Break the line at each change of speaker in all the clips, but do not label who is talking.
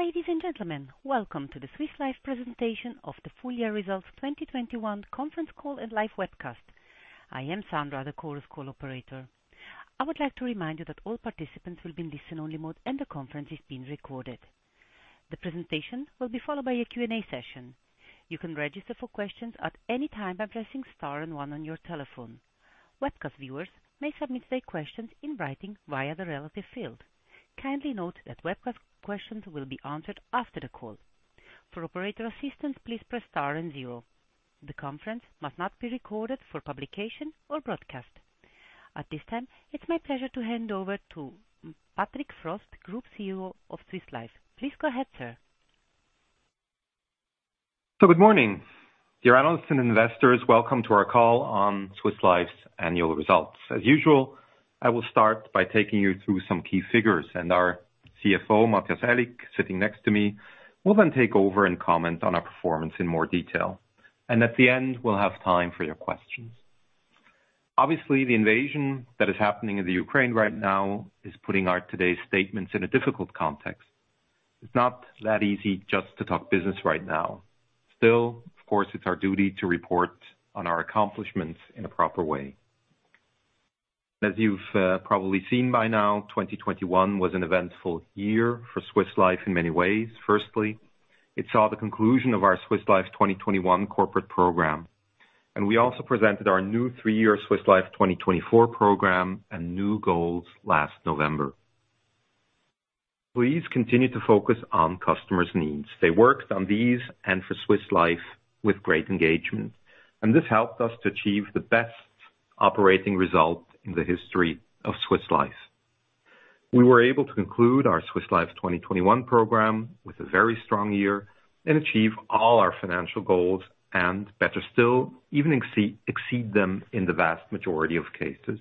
Ladies and gentlemen, welcome to the Swiss Life presentation of the full year results 2021 conference call and live webcast. I am Sandra, the Chorus Call operator. I would like to remind you that all participants will be in listen-only mode, and the conference is being recorded. The presentation will be followed by a Q&A session. You can register for questions at any time by pressing star and one on your telephone. Webcast viewers may submit their questions in writing via the relevant field. Kindly note that webcast questions will be answered after the call. For operator assistance, please press star and zero. The conference must not be recorded for publication or broadcast. At this time, it's my pleasure to hand over to Patrick Frost, Group CEO of Swiss Life. Please go ahead, sir.
Good morning. Dear analysts and investors, welcome to our call on Swiss Life's annual results. As usual, I will start by taking you through some key figures, and our CFO, Matthias Aellig, sitting next to me, will then take over and comment on our performance in more detail. At the end, we'll have time for your questions. Obviously, the invasion that is happening in the Ukraine right now is putting our today's statements in a difficult context. It's not that easy just to talk business right now. Still, of course, it's our duty to report on our accomplishments in a proper way. As you've probably seen by now, 2021 was an eventful year for Swiss Life in many ways. Firstly, it saw the conclusion of our Swiss Life 2021 corporate program, and we also presented our new three-year Swiss Life 2024 program and new goals last November. Please continue to focus on customers' needs. They worked on these and for Swiss Life with great engagement, and this helped us to achieve the best operating result in the history of Swiss Life. We were able to conclude our Swiss Life 2021 program with a very strong year and achieve all our financial goals, and better still, even exceed them in the vast majority of cases.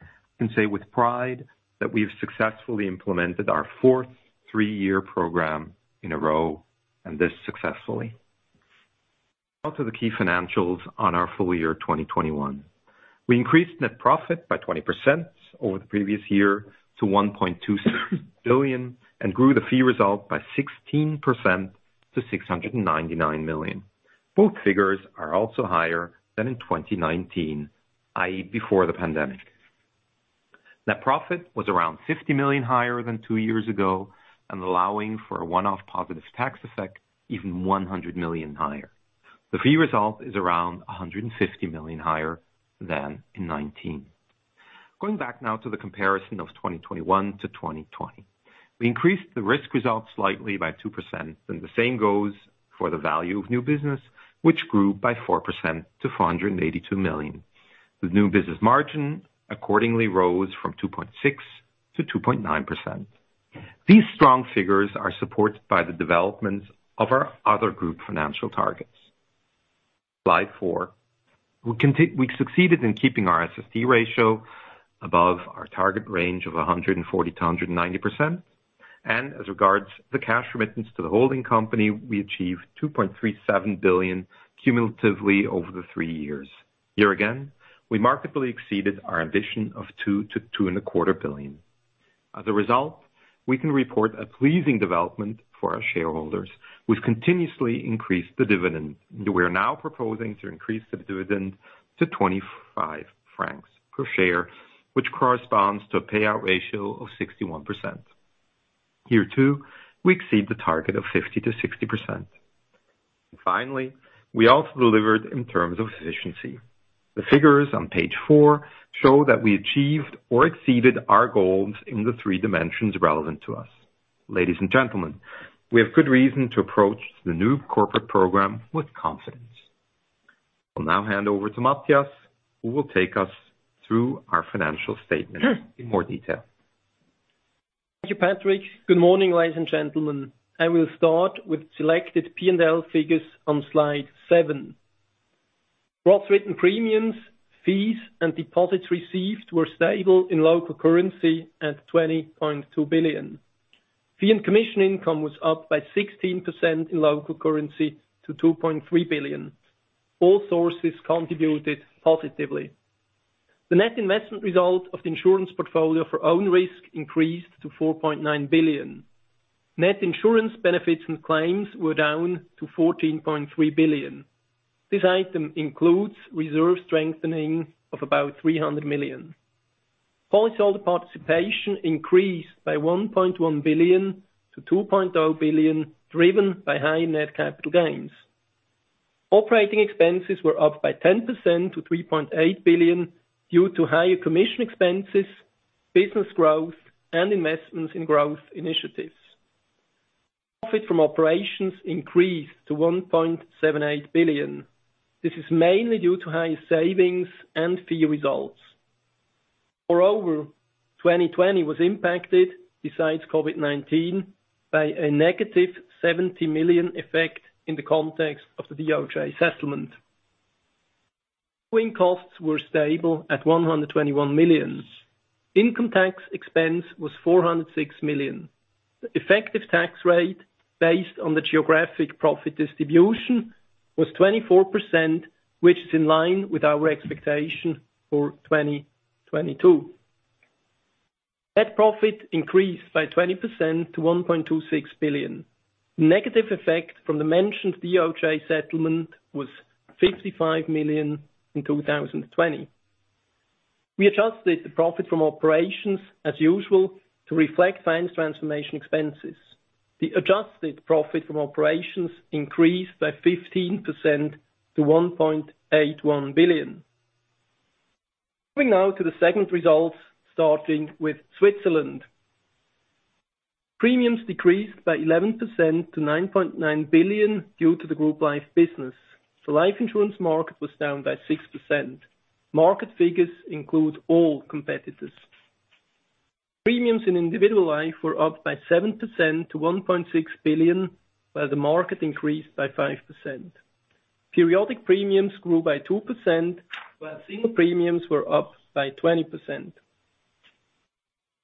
I can say with pride that we've successfully implemented our fourth three-year program in a row, and this successfully. Also, the key financials on our full year 2021. We increased net profit by 20% over the previous year to 1.26 billion and grew the fee result by 16% to 699 million. Both figures are also higher than in 2019, i.e., before the pandemic. Net profit was around 50 million higher than two years ago and allowing for a one-off positive tax effect, even 100 million higher. The fee result is around 150 million higher than in 2019. Going back now to the comparison of 2021 to 2020. We increased the risk results slightly by 2%, and the same goes for the value of new business, which grew by 4% to 482 million. The new business margin accordingly rose from 2.6% to 2.9%. These strong figures are supported by the developments of our other group financial targets. Slide 4. We succeeded in keeping our SST ratio above our target range of 140%-190%, and as regards the cash remittance to the holding company, we achieved 2.37 billion cumulatively over the three years. Here again, we markedly exceeded our ambition of 2 billion-2.25 billion. As a result, we can report a pleasing development for our shareholders. We've continuously increased the dividend. We are now proposing to increase the dividend to 25 francs per share, which corresponds to a payout ratio of 61%. Here too, we exceed the target of 50%-60%. Finally, we also delivered in terms of efficiency. The figures on page four show that we achieved or exceeded our goals in the three dimensions relevant to us. Ladies and gentlemen, we have good reason to approach the new corporate program with confidence. I'll now hand over to Matthias, who will take us through our financial statement in more detail.
Thank you, Patrick. Good morning, ladies and gentlemen. I will start with selected P&L figures on slide 7. Gross written premiums, fees, and deposits received were stable in local currency at 20.2 billion. Fee and commission income was up by 16% in local currency to 2.3 billion. All sources contributed positively. The net investment result of the insurance portfolio for own risk increased to 4.9 billion. Net insurance benefits and claims were down to 14.3 billion. This item includes reserve strengthening of about 300 million. Policyholder participation increased by 1.1 billion to 2.0 billion, driven by high net capital gains. Operating expenses were up by 10% to 3.8 billion due to higher commission expenses, business growth, and investments in growth initiatives. Profit from operations increased to 1.78 billion. This is mainly due to higher savings and fee results. Moreover, 2020 was impacted, besides COVID-19, by a -70 million effect in the context of the DOJ settlement. Going costs were stable at 121 million. Income tax expense was 406 million. The effective tax rate based on the geographic profit distribution was 24%, which is in line with our expectation for 2022. Net profit increased by 20% to 1.26 billion. Negative effect from the mentioned DOJ settlement was 55 million in 2020. We adjusted the profit from operations as usual to reflect finance transformation expenses. The adjusted profit from operations increased by 15% to 1.81 billion. Moving now to the segment results, starting with Switzerland. Premiums decreased by 11% to 9.9 billion due to the group life business. The life insurance market was down by 6%. Market figures include all competitors. Premiums in individual life were up by 7% to 1.6 billion, while the market increased by 5%. Periodic premiums grew by 2%, while single premiums were up by 20%.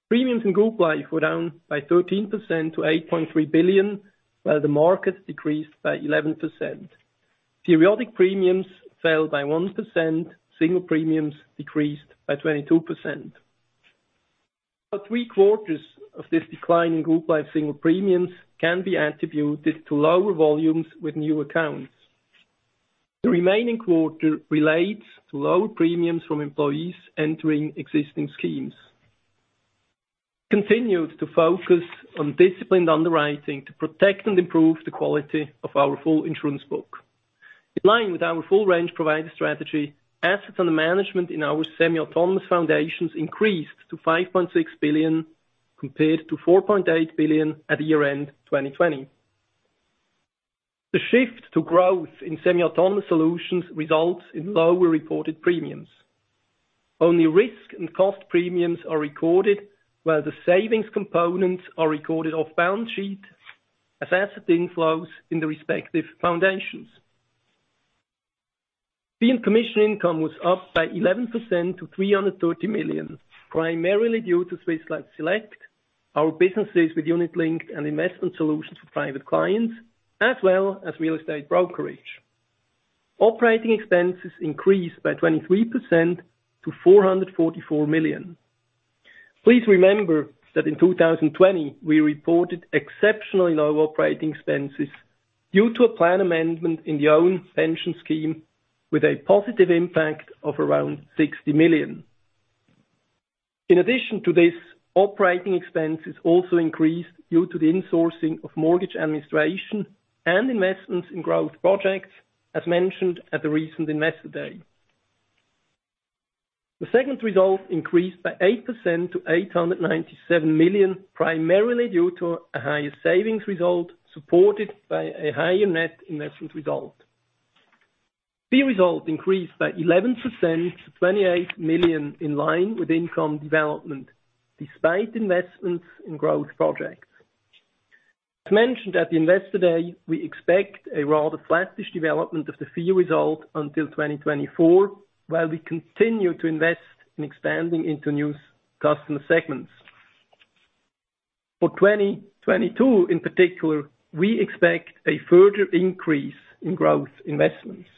Premiums in group life were down by 13% to 8.3 billion, while the market decreased by 11%. Periodic premiums fell by 1%. Single premiums decreased by 22%. About three quarters of this decline in group life single premiums can be attributed to lower volumes with new accounts. The remaining quarter relates to lower premiums from employees entering existing schemes. We continued to focus on disciplined underwriting to protect and improve the quality of our full insurance book. In line with our full range provider strategy, assets under management in our semi-autonomous foundations increased to 5.6 billion, compared to 4.8 billion at the year-end 2020. The shift to growth in semi-autonomous solutions results in lower reported premiums. Only risk and cost premiums are recorded, while the savings components are recorded off balance sheet as asset inflows in the respective foundations. Fee and commission income was up by 11% to 330 million, primarily due to Swiss Life Select, our businesses with unit-linked and investment solutions for private clients, as well as real estate brokerage. Operating expenses increased by 23% to 444 million. Please remember that in 2020, we reported exceptionally low operating expenses due to a plan amendment in the own pension scheme with a positive impact of around 60 million. In addition to this, operating expenses also increased due to the insourcing of mortgage administration and investments in growth projects, as mentioned at the recent Investor Day. The segment result increased by 8% to 897 million, primarily due to a higher savings result, supported by a higher net investment result. Fee result increased by 11% to 28 million in line with income development despite investments in growth projects. As mentioned at the Investor Day, we expect a rather flattish development of the fee result until 2024, while we continue to invest in expanding into new customer segments. For 2022, in particular, we expect a further increase in growth investments.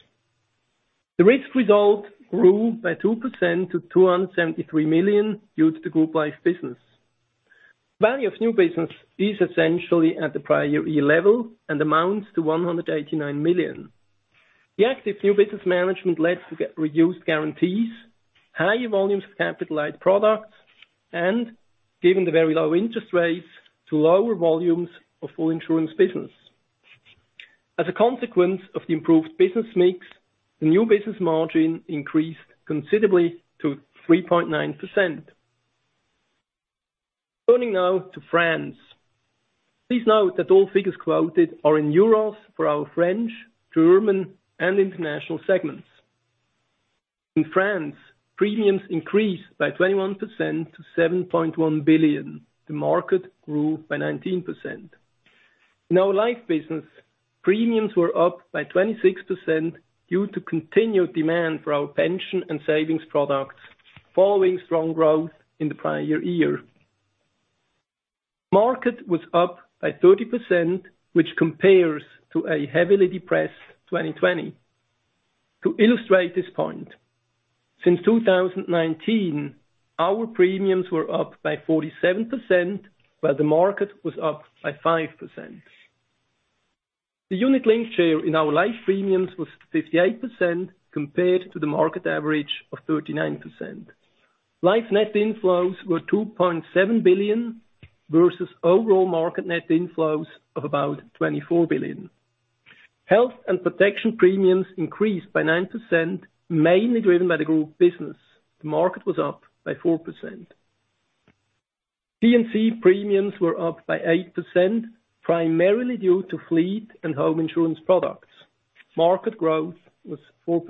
The risk result grew by 2% to 273 million due to the group life business. Value of new business is essentially at the prior year level and amounts to 189 million. The active new business management led to reduced guarantees, higher volumes of capitalized products, and, given the very low interest rates, lower volumes of full insurance business. As a consequence of the improved business mix, the new business margin increased considerably to 3.9%. Turning now to France. Please note that all figures quoted are in euros for our French, German, and international segments. In France, premiums increased by 21% to 7.1 billion. The market grew by 19%. In our life business, premiums were up by 26% due to continued demand for our pension and savings products following strong growth in the prior year. Market was up by 30%, which compares to a heavily depressed 2020. To illustrate this point, since 2019, our premiums were up by 47%, while the market was up by 5%. The unit-linked share in our life premiums was 58% compared to the market average of 39%. Life net inflows were 2.7 billion versus overall market net inflows of about 24 billion. Health and protection premiums increased by 9%, mainly driven by the group business. The market was up by 4%. P&C premiums were up by 8%, primarily due to fleet and home insurance products. Market growth was 4%.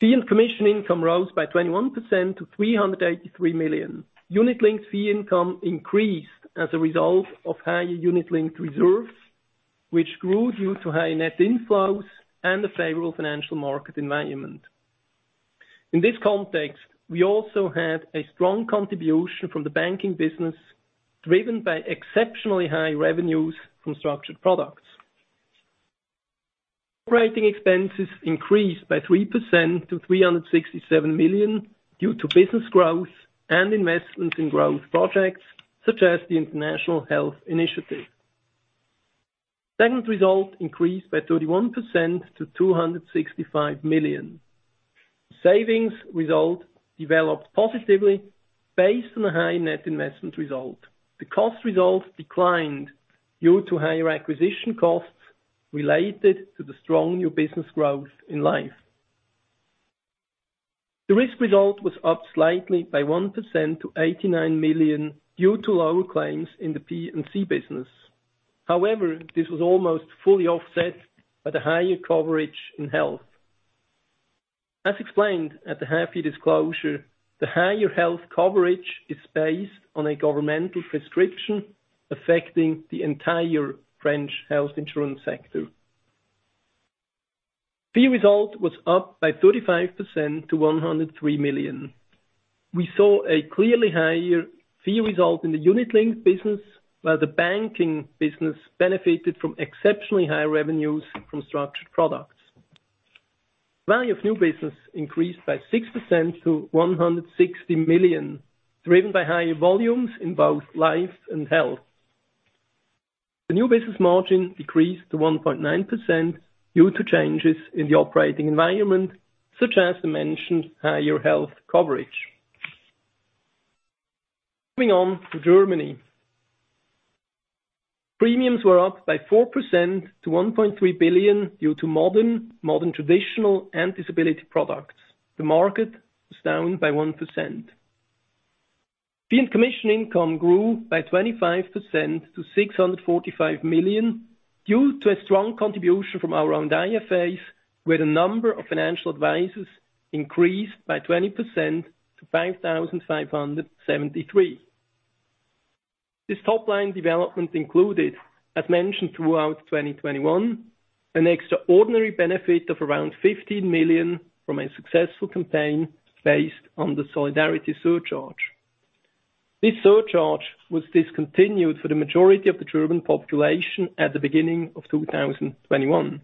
Fee and commission income rose by 21% to 383 million. Unit-linked fee income increased as a result of higher unit-linked reserves, which grew due to higher net inflows and the favorable financial market environment. In this context, we also had a strong contribution from the banking business, driven by exceptionally high revenues from structured products. Operating expenses increased by 3% to 367 million, due to business growth and investments in growth projects, such as the International Health Initiative. Segment result increased by 31% to 265 million. Savings result developed positively based on a high net investment result. The cost result declined due to higher acquisition costs related to the strong new business growth in life. The risk result was up slightly by 1% to 89 million due to lower claims in the P&C business. However, this was almost fully offset by the higher coverage in health. As explained at the half-year disclosure, the higher health coverage is based on a governmental prescription affecting the entire French health insurance sector. Fee result was up by 35% to 103 million. We saw a clearly higher fee result in the unit-linked business, while the banking business benefited from exceptionally high revenues from structured products. Value of new business increased by 6% to 160 million, driven by higher volumes in both life and health. The new business margin decreased to 1.9% due to changes in the operating environment, such as the mentioned higher health coverage. Moving on to Germany. Premiums were up by 4% to 1.3 billion due to modern traditional, and disability products. The market was down by 1%. Fee and commission income grew by 25% to 645 million due to a strong contribution from our own IFAs, where the number of financial advisors increased by 20% to 5,573. This top line development included, as mentioned throughout 2021, an extraordinary benefit of around 15 million from a successful campaign based on the solidarity surcharge. This surcharge was discontinued for the majority of the German population at the beginning of 2021.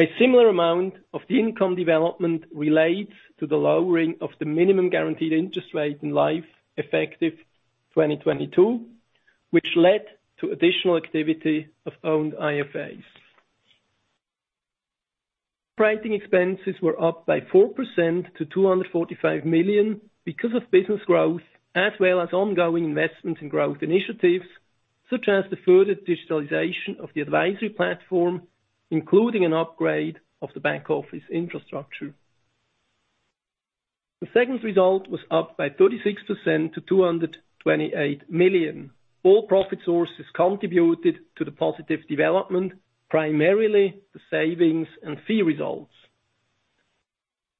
A similar amount of the income development relates to the lowering of the minimum guaranteed interest rate in life effective 2022, which led to additional activity of our own IFAs. Operating expenses were up by 4% to 245 million because of business growth, as well as ongoing investments in growth initiatives, such as the further digitalization of the advisory platform, including an upgrade of the back office infrastructure. The segment result was up by 36% to 228 million. All profit sources contributed to the positive development, primarily the savings and fee results.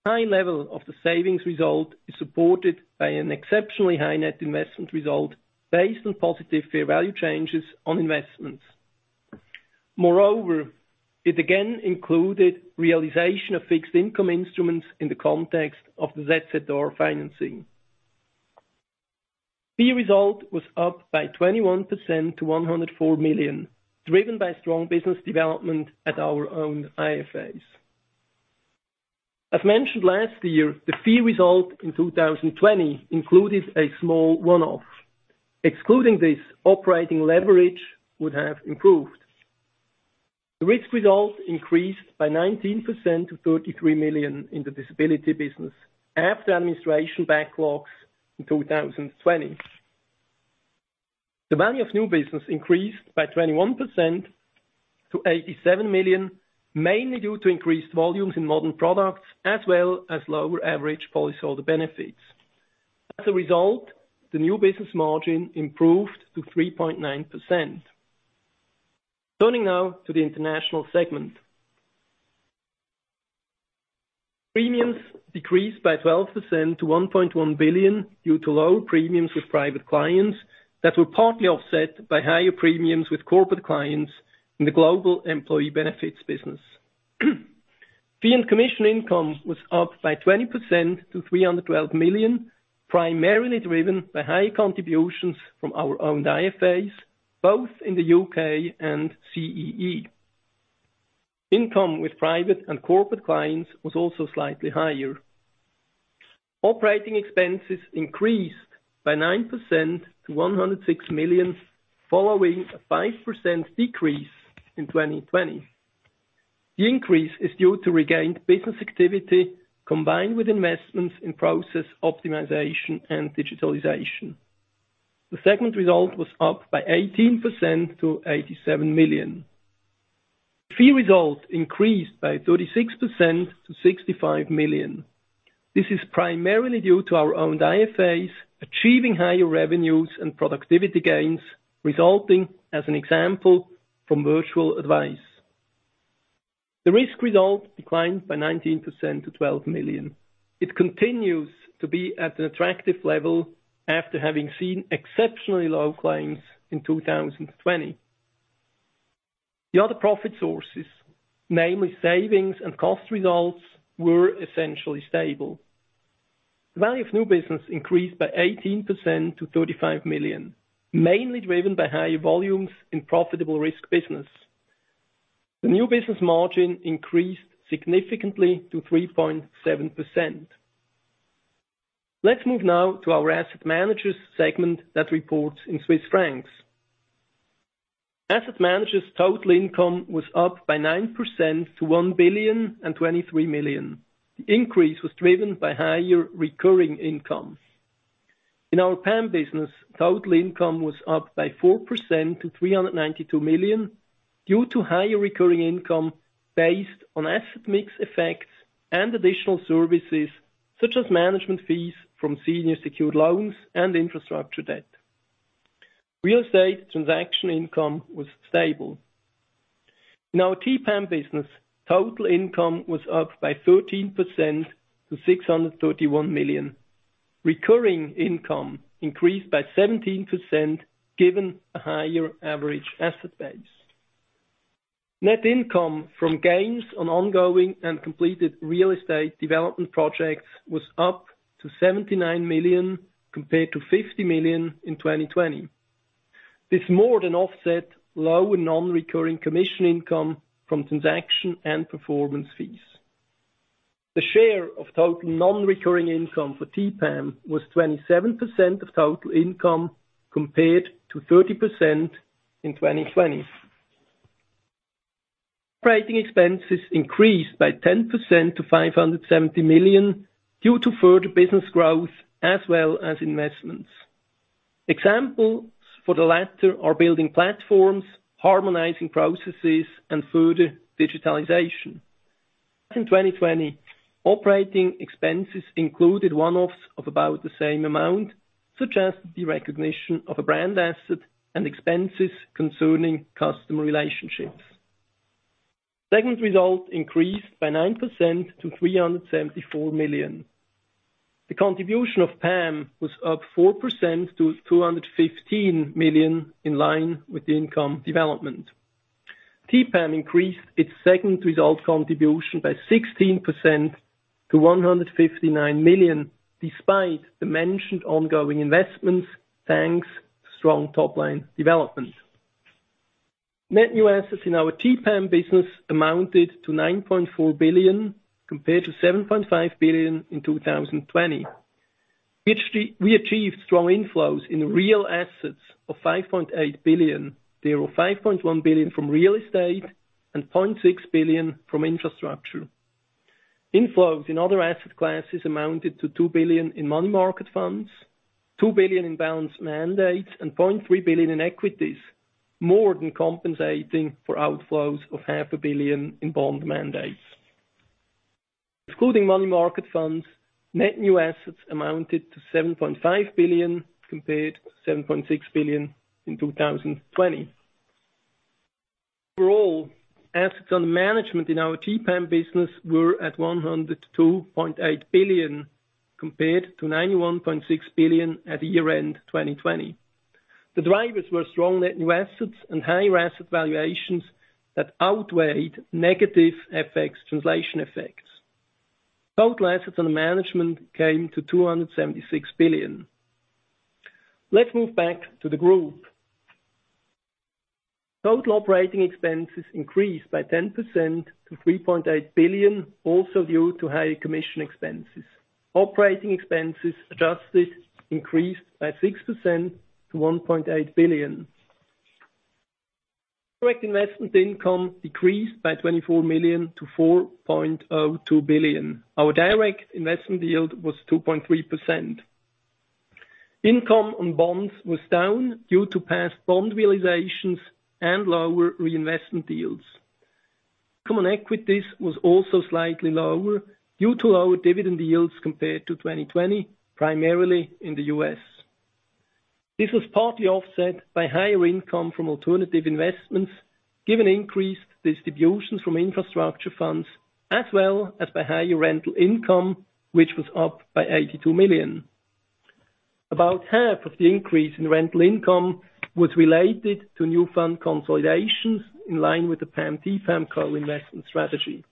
High level of the savings result is supported by an exceptionally high net investment result based on positive fair value changes on investments. Moreover, it again included realization of fixed income instruments in the context of the ZZR financing. Fee result was up by 21% to 104 million, driven by strong business development at our own IFAs. As mentioned last year, the fee result in 2020 included a small one-off. Excluding this operating leverage would have improved. The risk result increased by 19% to 33 million in the disability business after administration backlogs in 2020. The value of new business increased by 21% to 87 million, mainly due to increased volumes in modern products as well as lower average policyholder benefits. As a result, the new business margin improved to 3.9%. Turning now to the International segment. Premiums decreased by 12% to 1.1 billion due to low premiums with private clients that were partly offset by higher premiums with corporate clients in the Global Employee Benefits business. Fee and commission income was up by 20% to 312 million, primarily driven by high contributions from our owned IFAs, both in the U.K. and CEE. Income with private and corporate clients was also slightly higher. Operating expenses increased by 9% to 106 million following a 5% decrease in 2020. The increase is due to regained business activity combined with investments in process optimization and digitalization. The segment result was up by 18% to 87 million. Fee result increased by 36% to 65 million. This is primarily due to our owned IFAs achieving higher revenues and productivity gains, resulting as an example from virtual advice. The risk result declined by 19% to 12 million. It continues to be at an attractive level after having seen exceptionally low claims in 2020. The other profit sources, namely savings and cost results, were essentially stable. The value of new business increased by 18% to 35 million, mainly driven by higher volumes in profitable risk business. The new business margin increased significantly to 3.7%. Let's move now to our Asset Managers segment that reports in Swiss francs. Asset Managers total income was up by 9% to 1,023 million. The increase was driven by higher recurring income. In our PAM business, total income was up by 4% to 392 million due to higher recurring income based on asset mix effects and additional services such as management fees from senior secured loans and infrastructure debt. Real estate transaction income was stable. In our TPAM business, total income was up by 13% to 631 million. Recurring income increased by 17% given a higher average asset base. Net income from gains on ongoing and completed real estate development projects was up to 79 million compared to 50 million in 2020. This more than offset low non-recurring commission income from transaction and performance fees. The share of total non-recurring income for TPAM was 27% of total income, compared to 30% in 2020. Operating expenses increased by 10% to 570 million due to further business growth as well as investments. Examples for the latter are building platforms, harmonizing processes, and further digitalization. In 2020, operating expenses included one-offs of about the same amount, such as the recognition of a brand asset and expenses concerning customer relationships. Segment result increased by 9% to 374 million. The contribution of PAM was up 4% to 215 million in line with the income development. TPAM increased its segment result contribution by 16% to 159 million, despite the mentioned ongoing investments, thanks to strong top-line development. Net new assets in our TPAM business amounted to 9.4 billion, compared to 7.5 billion in 2020. We achieved strong inflows in real assets of 5.8 billion. There were 5.1 billion from real estate and 0.6 billion from infrastructure. Inflows in other asset classes amounted to 2 billion in money market funds, 2 billion in balanced mandates, and 0.3 billion in equities, more than compensating for outflows of CHF half a billion in bond mandates. Excluding money market funds, net new assets amounted to 7.5 billion, compared to 7.6 billion in 2020. For all, assets under management in our TPAM business were at 102.8 billion, compared to 91.6 billion at year-end 2020. The drivers were strong net new assets and higher asset valuations that outweighed negative FX translation effects. Total assets under management came to 276 billion. Let's move back to the group. Total operating expenses increased by 10% to 3.8 billion, also due to higher commission expenses. Operating expenses adjusted increased by 6% to 1.8 billion. Direct investment income decreased by 24 million to 4.02 billion. Our direct investment yield was 2.3%. Income on bonds was down due to past bond realizations and lower reinvestment deals. Common equities was also slightly lower due to lower dividend yields compared to 2020, primarily in the U.S. This was partly offset by higher income from alternative investments, given increased distributions from infrastructure funds as well as by higher rental income, which was up by 82 million. About half of the increase in rental income was related to new fund consolidations in line with the PAM-TPAM co-investment strategy.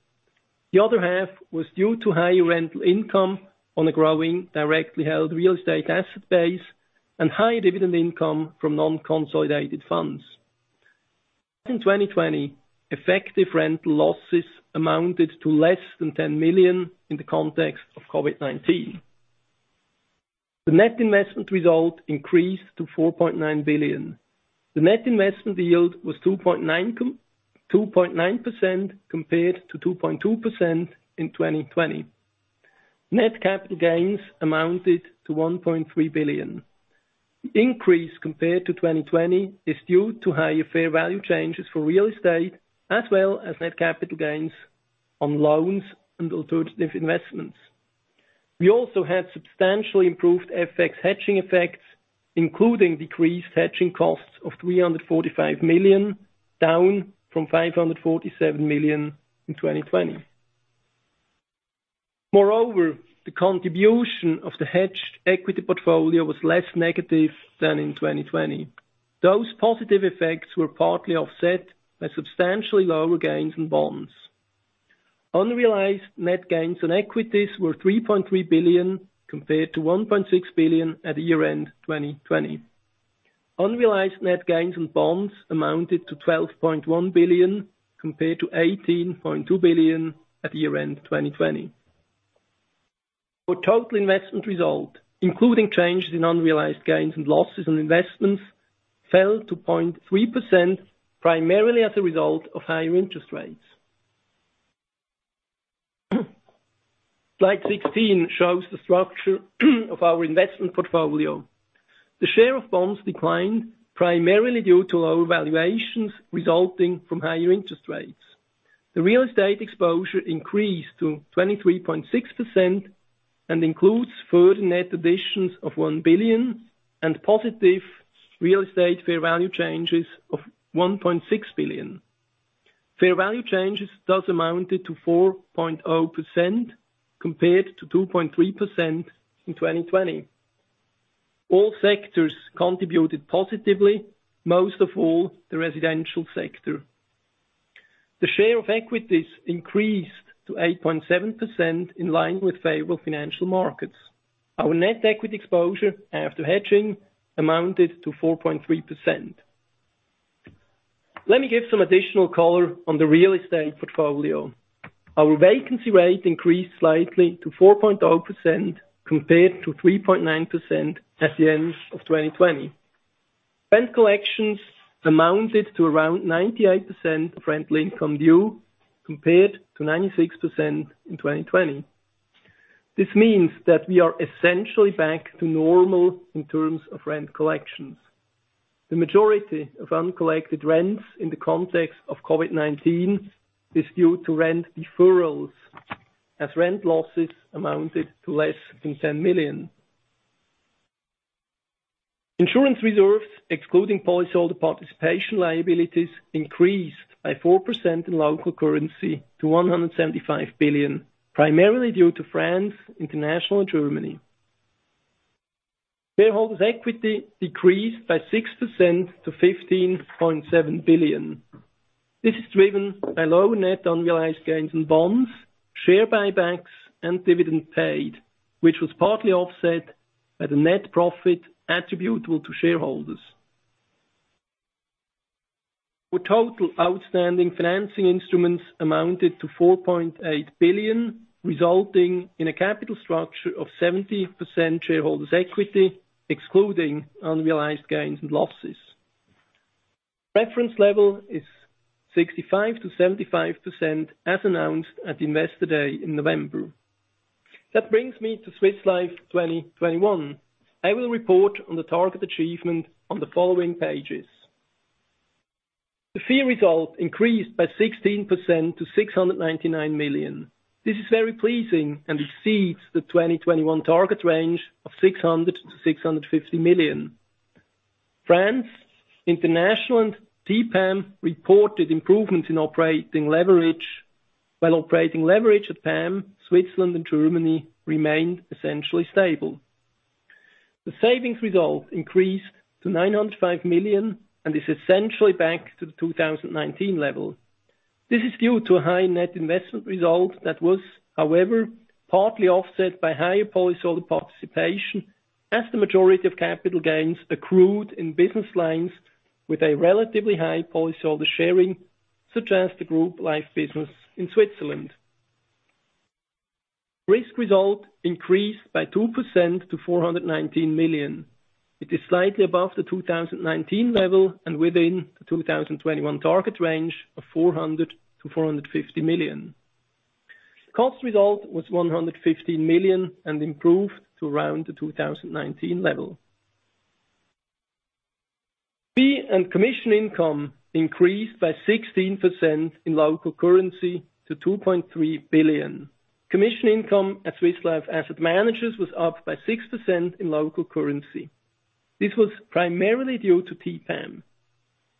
The other half was due to higher rental income on a growing directly held real estate asset base and higher dividend income from non-consolidated funds. In 2020, effective rental losses amounted to less than 10 million in the context of COVID-19. The net investment result increased to 4.9 billion. The net investment yield was 2.9% compared to 2.2% in 2020. Net capital gains amounted to 1.3 billion. The increase compared to 2020 is due to higher fair value changes for real estate as well as net capital gains on loans and alternative investments. We also had substantially improved FX hedging effects, including decreased hedging costs of 345 million, down from 547 million in 2020. Moreover, the contribution of the hedged equity portfolio was less negative than in 2020. Those positive effects were partly offset by substantially lower gains in bonds. Unrealized net gains on equities were 3.3 billion compared to 1.6 billion at year-end 2020. Unrealized net gains on bonds amounted to 12.1 billion compared to 18.2 billion at year-end 2020. The total investment result, including changes in unrealized gains and losses on investments, fell to 0.3% primarily as a result of higher interest rates. Slide 16 shows the structure of our investment portfolio. The share of bonds declined primarily due to lower valuations resulting from higher interest rates. The real estate exposure increased to 23.6% and includes further net additions of 1 billion and positive real estate fair value changes of 1.6 billion. Fair value changes thus amounted to 4.0% compared to 2.3% in 2020. All sectors contributed positively, most of all the residential sector. The share of equities increased to 8.7% in line with favorable financial markets. Our net equity exposure after hedging amounted to 4.3%. Let me give some additional color on the real estate portfolio. Our vacancy rate increased slightly to 4.0% compared to 3.9% at the end of 2020. Rent collections amounted to around 98% of rent due compared to 96% in 2020. This means that we are essentially back to normal in terms of rent collections. The majority of uncollected rents in the context of COVID-19 is due to rent deferrals as rent losses amounted to less than 10 million. Insurance reserves, excluding policyholder participation liabilities, increased by 4% in local currency to 175 billion, primarily due to France, International, and Germany. Shareholders' equity decreased by 6% to 15.7 billion. This is driven by lower net unrealized gains on bonds, share buybacks, and dividend paid, which was partly offset by the net profit attributable to shareholders. Total outstanding financing instruments amounted to 4.8 billion, resulting in a capital structure of 70% shareholders' equity, excluding unrealized gains and losses. Reference level is 65%-75% as announced at Investor Day in November. That brings me to Swiss Life 2021. I will report on the target achievement on the following pages. The fee result increased by 16% to 699 million. This is very pleasing and exceeds the 2021 target range of 600 million-650 million. France, International, and TPAM reported improvements in operating leverage, while operating leverage at PAM, Switzerland and Germany remained essentially stable. The savings result increased to 905 million and is essentially back to the 2019 level. This is due to a high net investment result that was, however, partly offset by higher policyholder participation as the majority of capital gains accrued in business lines with a relatively high policyholder sharing, such as the Group Life business in Switzerland. Risk result increased by 2% to 419 million. It is slightly above the 2019 level and within the 2021 target range of 400 million-450 million. Cost result was 115 million and improved to around the 2019 level. Fee and commission income increased by 16% in local currency to 2.3 billion. Commission income at Swiss Life asset managers was up by 6% in local currency. This was primarily due to TPAM.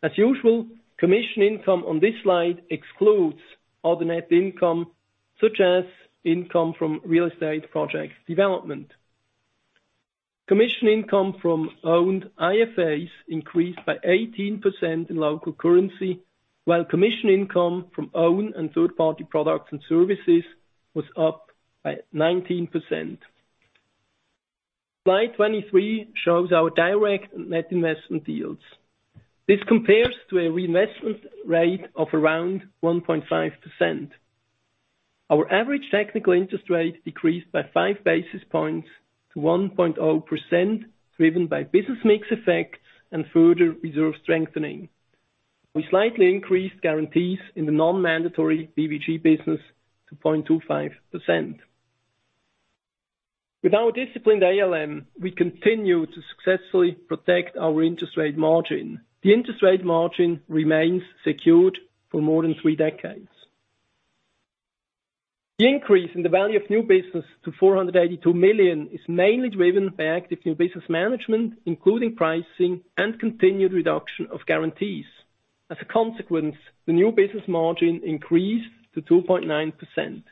As usual, commission income on this slide excludes other net income, such as income from real estate projects development. Commission income from owned IFAs increased by 18% in local currency, while commission income from own and third-party products and services was up by 19%. Slide 23 shows our direct net investment yields. This compares to a reinvestment rate of around 1.5%. Our average technical interest rate decreased by five basis points to 1.0%, driven by business mix effect and further reserve strengthening. We slightly increased guarantees in the non-mandatory BVG business to 0.25%. With our disciplined ALM, we continue to successfully protect our interest rate margin. The interest rate margin remains secured for more than three decades. The increase in the value of new business to 482 million is mainly driven by active new business management, including pricing and continued reduction of guarantees. As a consequence, the new business margin increased to 2.9%.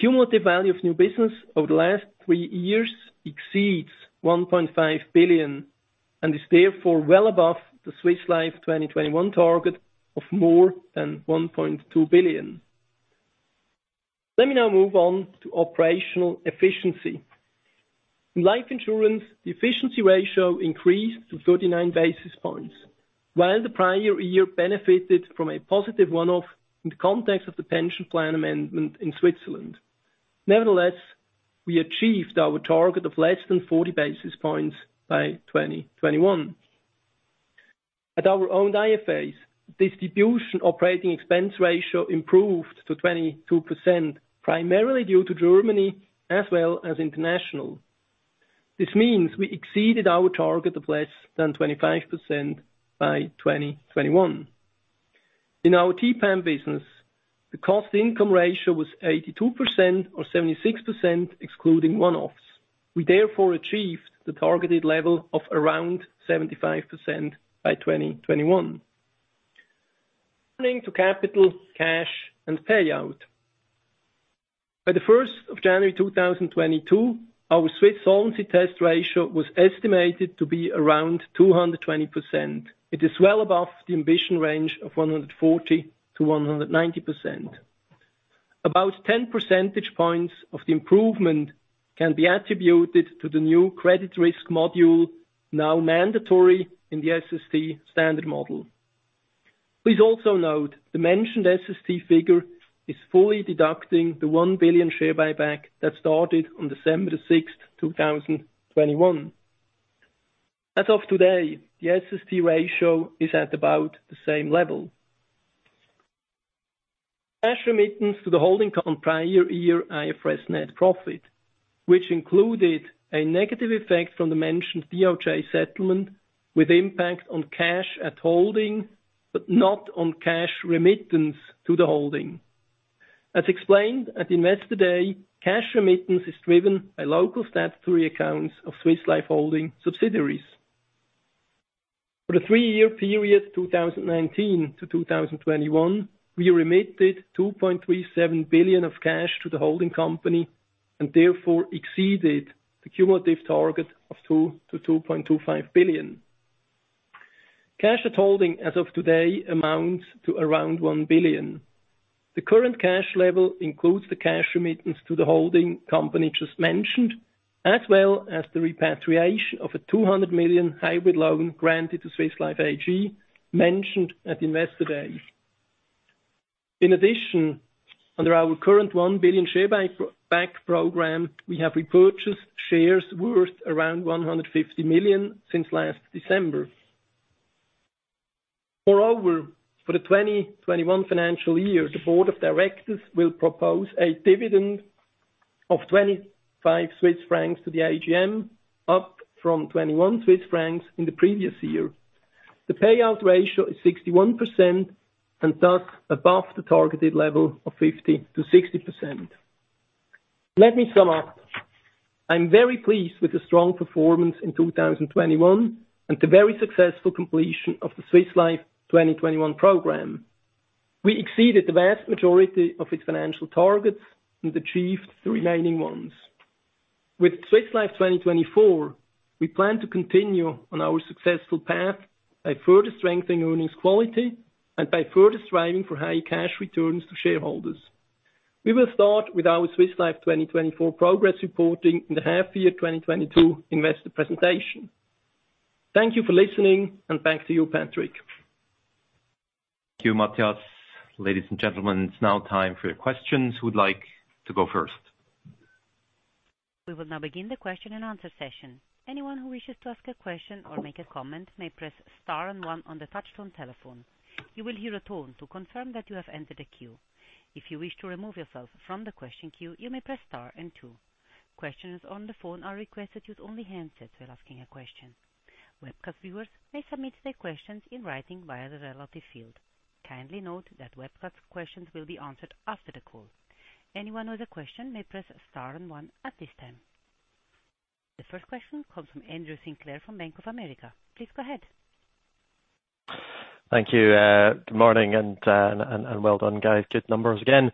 Cumulative value of new business over the last three years exceeds 1.5 billion and is therefore well above the Swiss Life 2021 target of more than 1.2 billion. Let me now move on to operational efficiency. In life insurance, the efficiency ratio increased to 39 basis points, while the prior year benefited from a positive one-off in the context of the pension plan amendment in Switzerland. Nevertheless, we achieved our target of less than 40 basis points by 2021. At our owned IFAs, distribution operating expense ratio improved to 22%, primarily due to Germany as well as international. This means we exceeded our target of less than 25% by 2021. In our TPAM business, the cost income ratio was 82% or 76% excluding one-offs. We therefore achieved the targeted level of around 75% by 2021. Turning to capital, cash and payout. By January 1, 2022, our Swiss Solvency Test ratio was estimated to be around 220%. It is well above the ambition range of 140%-190%. About 10 percentage points of the improvement can be attributed to the new credit risk module, now mandatory in the SST standard model. Please also note the mentioned SST figure is fully deducting the 1 billion share buyback that started on December 6, 2021. As of today, the SST ratio is at about the same level. Cash remittance to the holding company on prior year IFRS net profit, which included a negative effect from the mentioned DOJ settlement, with impact on cash at holding, but not on cash remittance to the holding. As explained at Investor Day, cash remittance is driven by local statutory accounts of Swiss Life Holding subsidiaries. For the three-year period, 2019 to 2021, we remitted 2.37 billion of cash to the holding company and therefore exceeded the cumulative target of 2 billion-2.25 billion. Cash at holding as of today amounts to around 1 billion. The current cash level includes the cash remittance to the holding company just mentioned, as well as the repatriation of a 200 million hybrid loan granted to Swiss Life AG mentioned at Investor Day. In addition, under our current 1 billion share buyback program, we have repurchased shares worth around 150 million since last December. Moreover, for the 2021 financial year, the board of directors will propose a dividend of 25 Swiss francs to the AGM, up from 21 Swiss francs in the previous year. The payout ratio is 61% and thus above the targeted level of 50%-60%. Let me sum up. I'm very pleased with the strong performance in 2021 and the very successful completion of the Swiss Life 2021 program. We exceeded the vast majority of its financial targets and achieved the remaining ones. With Swiss Life 2024, we plan to continue on our successful path by further strengthening earnings quality and by further striving for high cash returns to shareholders. We will start with our Swiss Life 2024 progress reporting in the half-year 2022 investor presentation. Thank you for listening, and back to you, Patrick.
Thank you, Matthias. Ladies and gentlemen, it's now time for your questions. Who would like to go first?
We will now begin the question and answer session. Anyone who wishes to ask a question or make a comment may press star and one on the touch-tone telephone. You will hear a tone to confirm that you have entered a queue. If you wish to remove yourself from the question queue, you may press star and two. Questions on the phone are requested to use only handsets when asking a question. Webcast viewers may submit their questions in writing via the relevant field. Kindly note that webcast questions will be answered after the call. Anyone with a question may press star and one at this time. The first question comes from Andrew Sinclair from Bank of America. Please go ahead.
Thank you. Good morning and well done, guys. Good numbers again.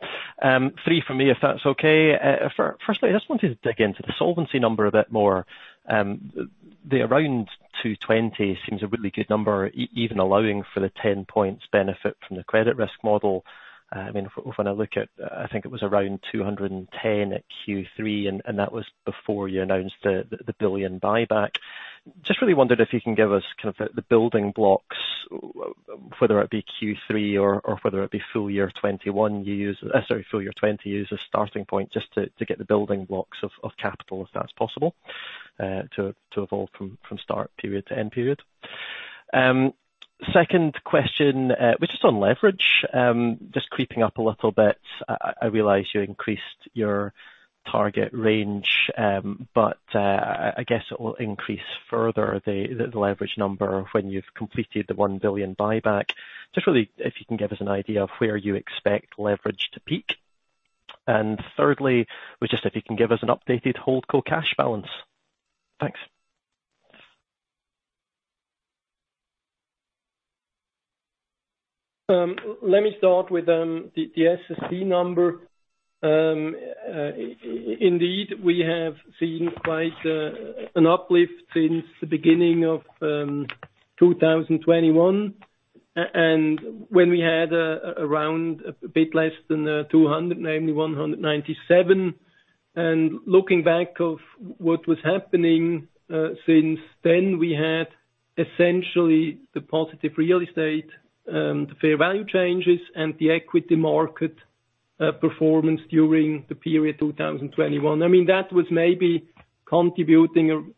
Three for me, if that's okay. Firstly, I just wanted to dig into the solvency number a bit more. The around 220% seems a really good number, even allowing for the 10 points benefit from the credit risk model. I mean, when I look at, I think it was around 210% at Q3, and that was before you announced the 1 billion buyback. Just really wondered if you can give us kind of the building blocks, whether it be Q3 or whether it be full year 2020, use a starting point just to get the building blocks of capital, if that's possible, to evolve from start period to end period. Second question was just on leverage, just creeping up a little bit. I realize you increased your target range, but I guess it will increase further the leverage number when you've completed the 1 billion buyback. Just really if you can give us an idea of where you expect leverage to peak. Thirdly, if you can give us an updated holdco cash balance. Thanks.
Let me start with the SST number. Indeed, we have seen quite an uplift since the beginning of 2021. When we had around a bit less than 200, namely 197. Looking back at what was happening since then, we had essentially the positive real estate fair value changes and the equity market performance during the period 2021. I mean, that was maybe contributing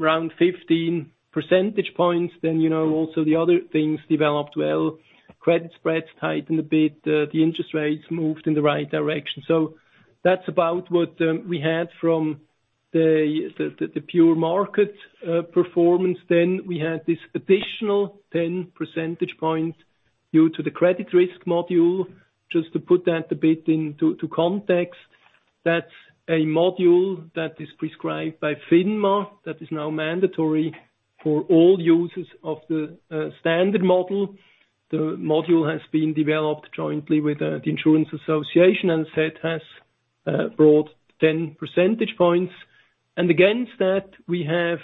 around 15 percentage points then, you know, also the other things developed well. Credit spreads tightened a bit, the interest rates moved in the right direction. That's about what we had from the pure market performance. Then we had this additional 10 percentage point due to the credit risk module. Just to put that a bit into context, that's a module that is prescribed by FINMA that is now mandatory for all users of the standard model. The module has been developed jointly with the Insurance Association and it has brought 10 percentage points. Against that, we have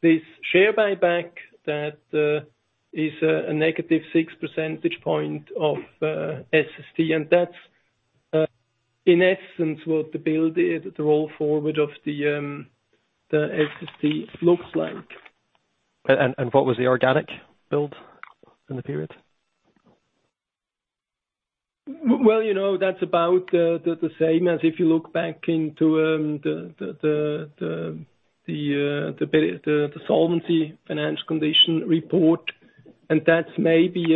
this share buyback that is a negative six percentage point of SST. That's in essence what the roll forward of the SST looks like.
What was the organic build in the period?
Well, you know, that's about the Solvency and Financial Condition Report, and that's maybe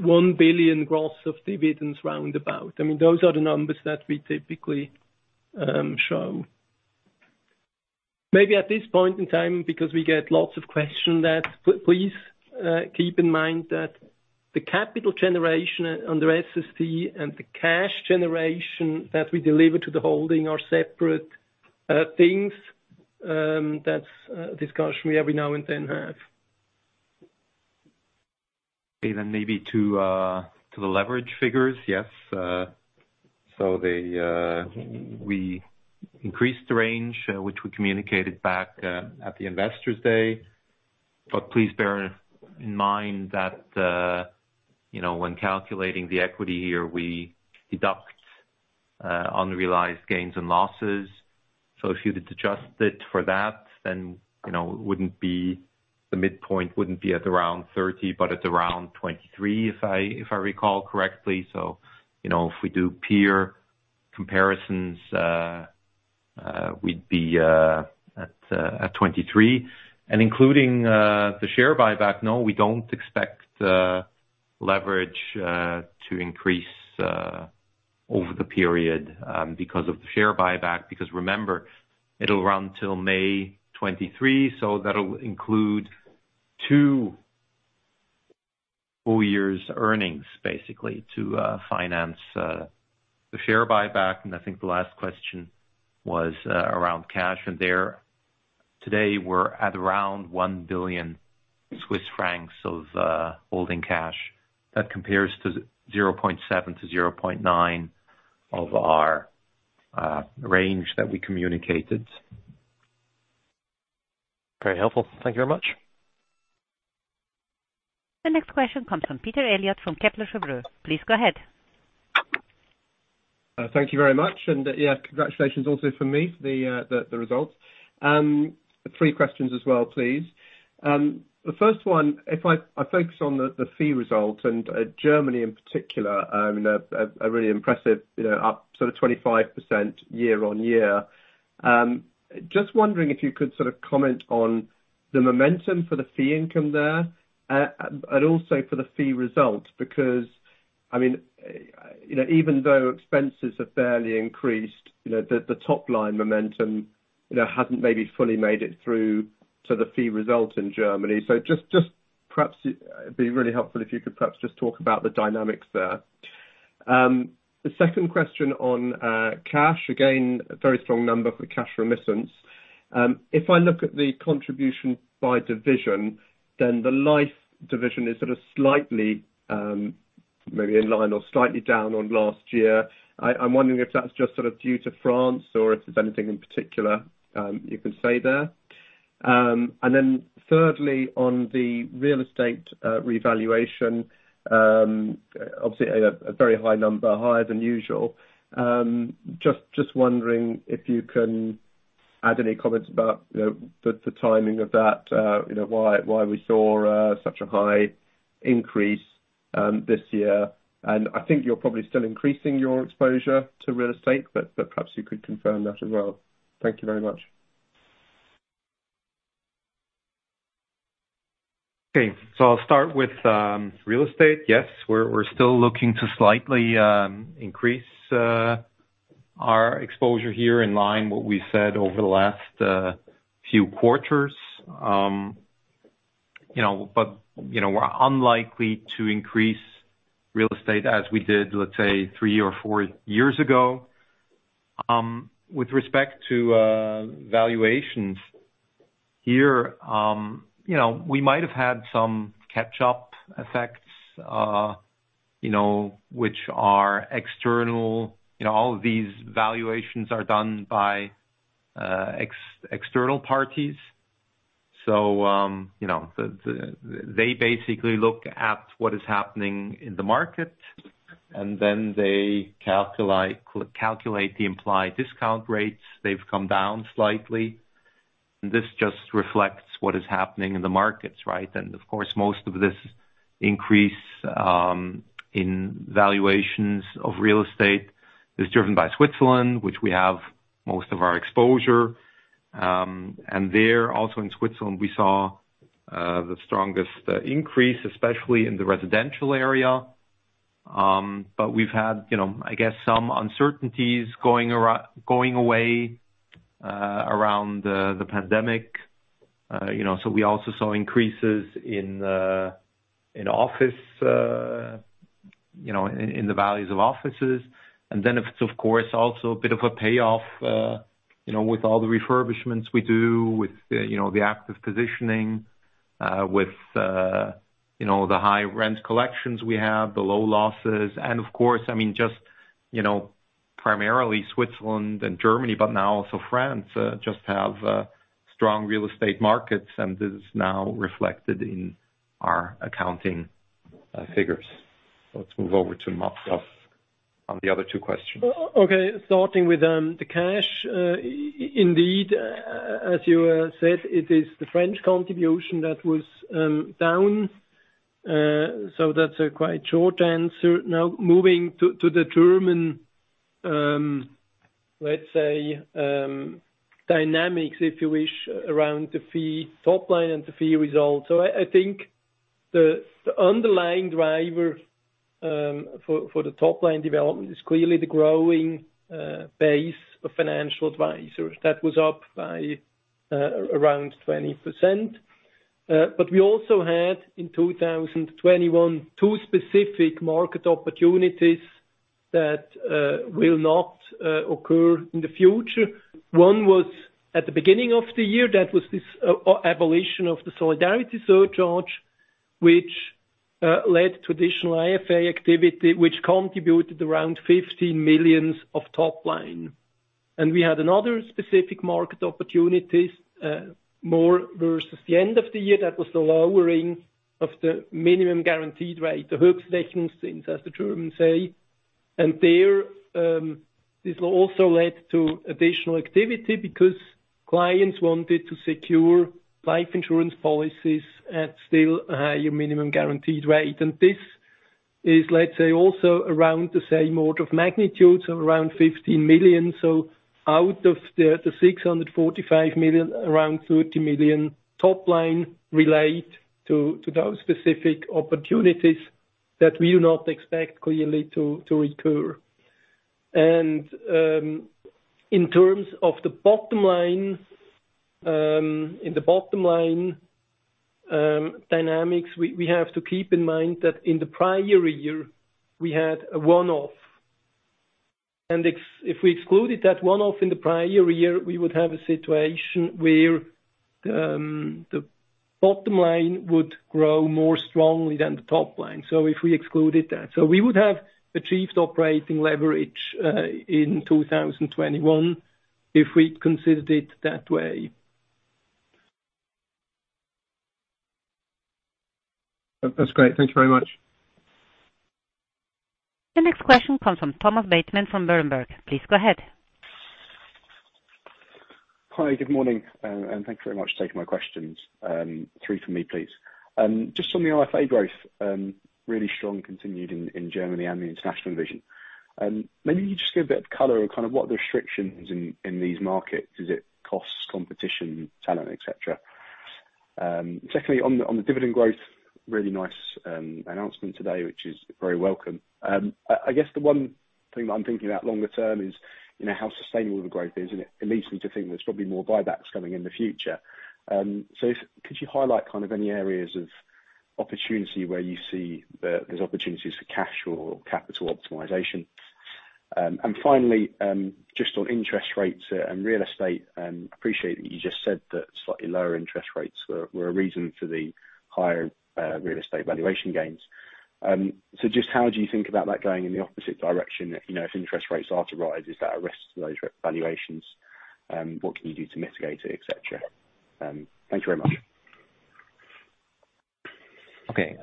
1 billion gross of dividends round about. I mean, those are the numbers that we typically show. Maybe at this point in time, because we get lots of questions, please keep in mind that the capital generation under SST and the cash generation that we deliver to the holding are separate things. That's a discussion we every now and then have.
Even maybe to the leverage figures, yes. We increased the range which we communicated back at the Investors Day. Please bear in mind that, you know, when calculating the equity here, we deduct unrealized gains and losses. If you were to adjust it for that, then, you know, the midpoint wouldn't be at around 30, but it's around 23, if I recall correctly. You know, if we do peer comparisons, we'd be at 23. Including the share buyback, no, we don't expect the leverage to increase over the period because of the share buyback. Remember, it'll run till May 2023, so that'll include two full years' earnings, basically, to finance the share buyback. I think the last question was around cash. There, today we're at around 1 billion Swiss francs of holding cash. That compares to 0.7 billion-0.9 billion of our range that we communicated.
Very helpful. Thank you very much.
The next question comes from Peter Eliot from Kepler Cheuvreux. Please go ahead.
Thank you very much. Yeah, congratulations also from me for the results. Three questions as well, please. The first one, if I focus on the fee result and Germany in particular, a really impressive, you know, up sort of 25% year-over-year. Just wondering if you could sort of comment on the momentum for the fee income there, and also for the fee results. Because, I mean, you know, even though expenses have barely increased, you know, the top line momentum, you know, hasn't maybe fully made it through to the fee result in Germany. So just perhaps it'd be really helpful if you could perhaps just talk about the dynamics there. The second question on cash. Again, a very strong number for cash remittance. If I look at the contribution by division, then the life division is sort of slightly maybe in line or slightly down on last year. I'm wondering if that's just sort of due to France or if there's anything in particular you can say there. Thirdly, on the real estate revaluation, obviously a very high number, higher than usual. Just wondering if you can add any comments about, you know, the timing of that, you know, why we saw such a high increase this year. I think you're probably still increasing your exposure to real estate, but perhaps you could confirm that as well. Thank you very much.
Okay. I'll start with real estate. Yes, we're still looking to slightly increase our exposure here in line with what we said over the last few quarters. You know, you know, we're unlikely to increase real estate as we did, let's say, three or four years ago. With respect to valuations here, you know, we might have had some catch-up effects, you know, which are external. You know, all of these valuations are done by external parties. You know, the they basically look at what is happening in the market, and then they calculate the implied discount rates. They've come down slightly. This just reflects what is happening in the markets, right? Of course, most of this increase in valuations of real estate is driven by Switzerland, which we have most of our exposure. There also in Switzerland, we saw the strongest increase, especially in the residential area. But we've had, you know, I guess some uncertainties going away around the pandemic, you know, so we also saw increases in office, you know, in the values of offices. Then it's of course also a bit of a payoff, you know, with all the refurbishments we do with the active positioning, you know, with the high rent collections we have, the low losses and of course, I mean, just primarily Switzerland and Germany, but now also France, just have strong real estate markets, and this is now reflected in our accounting figures. Let's move over to Matthias on the other two questions.
Okay. Starting with the cash. Indeed, as you said, it is the French contribution that was down. That's a quite short answer. Now, moving to the German, let's say, dynamics, if you wish, around the fee topline and the fee results. I think the underlying driver for the topline development is clearly the growing base of financial advisors. That was up by around 20%. But we also had, in 2021, two specific market opportunities that will not occur in the future. One was at the beginning of the year. That was this abolition of the solidarity surcharge, which led to additional IFA activity, which contributed around 15 million of topline. We had another specific market opportunities, more towards the end of the year. That was the lowering of the minimum guaranteed rate, the Höchstrechnungszins, as the Germans say. There, this also led to additional activity because clients wanted to secure life insurance policies at still a higher minimum guaranteed rate. This is, let's say, also around the same order of magnitude, so around 15 million. Out of the 645 million, around 30 million topline relate to those specific opportunities that we do not expect clearly to recur. In terms of the bottom line dynamics, we have to keep in mind that in the prior year, we had a one-off. If we excluded that one-off in the prior year, we would have a situation where the bottom line would grow more strongly than the topline. If we excluded that. We would have achieved operating leverage in 2021 if we'd considered it that way.
That's great. Thank you very much.
The next question comes from Thomas Bateman from Berenberg. Please go ahead.
Hi, good morning, and thanks very much for taking my questions. Three from me, please. Just on the IFA growth, really strong continued in Germany and the international division. Maybe you just give a bit of color on kind of what the restrictions in these markets, is it costs, competition, talent, et cetera. Secondly, on the dividend growth, really nice announcement today, which is very welcome. I guess the one thing that I'm thinking about longer term is, you know, how sustainable the growth is, and it leads me to think there's probably more buybacks coming in the future. Could you highlight kind of any areas of opportunity where you see there's opportunities for cash or capital optimization? Finally, just on interest rates and real estate, I appreciate that you just said that slightly lower interest rates were a reason for the higher real estate valuation gains. Just how do you think about that going in the opposite direction if, you know, if interest rates are to rise, is that a risk to those revaluations? What can you do to mitigate it, et cetera? Thank you very much.
Okay.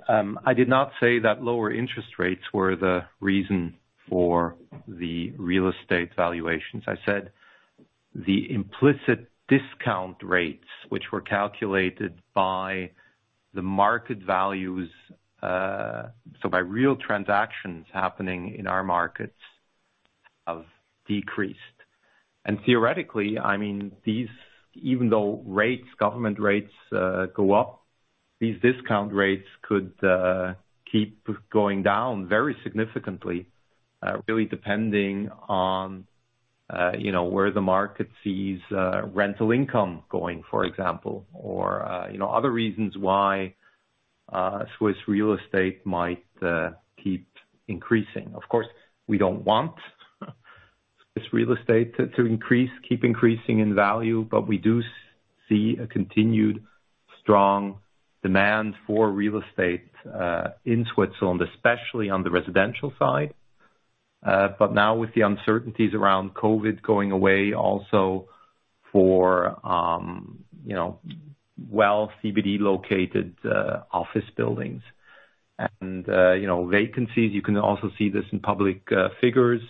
I did not say that lower interest rates were the reason for the real estate valuations. I said the implicit discount rates, which were calculated by the market values, so by real transactions happening in our markets, have decreased. Theoretically, I mean, these, even though rates, government rates, go up, these discount rates could keep going down very significantly, really depending on you know, where the market sees, rental income going, for example, or, you know, other reasons why, Swiss real estate might keep increasing. Of course, we don't want Swiss real estate to increase, keep increasing in value, but we do see a continued strong demand for real estate in Switzerland, especially on the residential side. But now with the uncertainties around COVID going away also for, you know, well CBD-located, office buildings. You know, vacancies you can also see this in public figures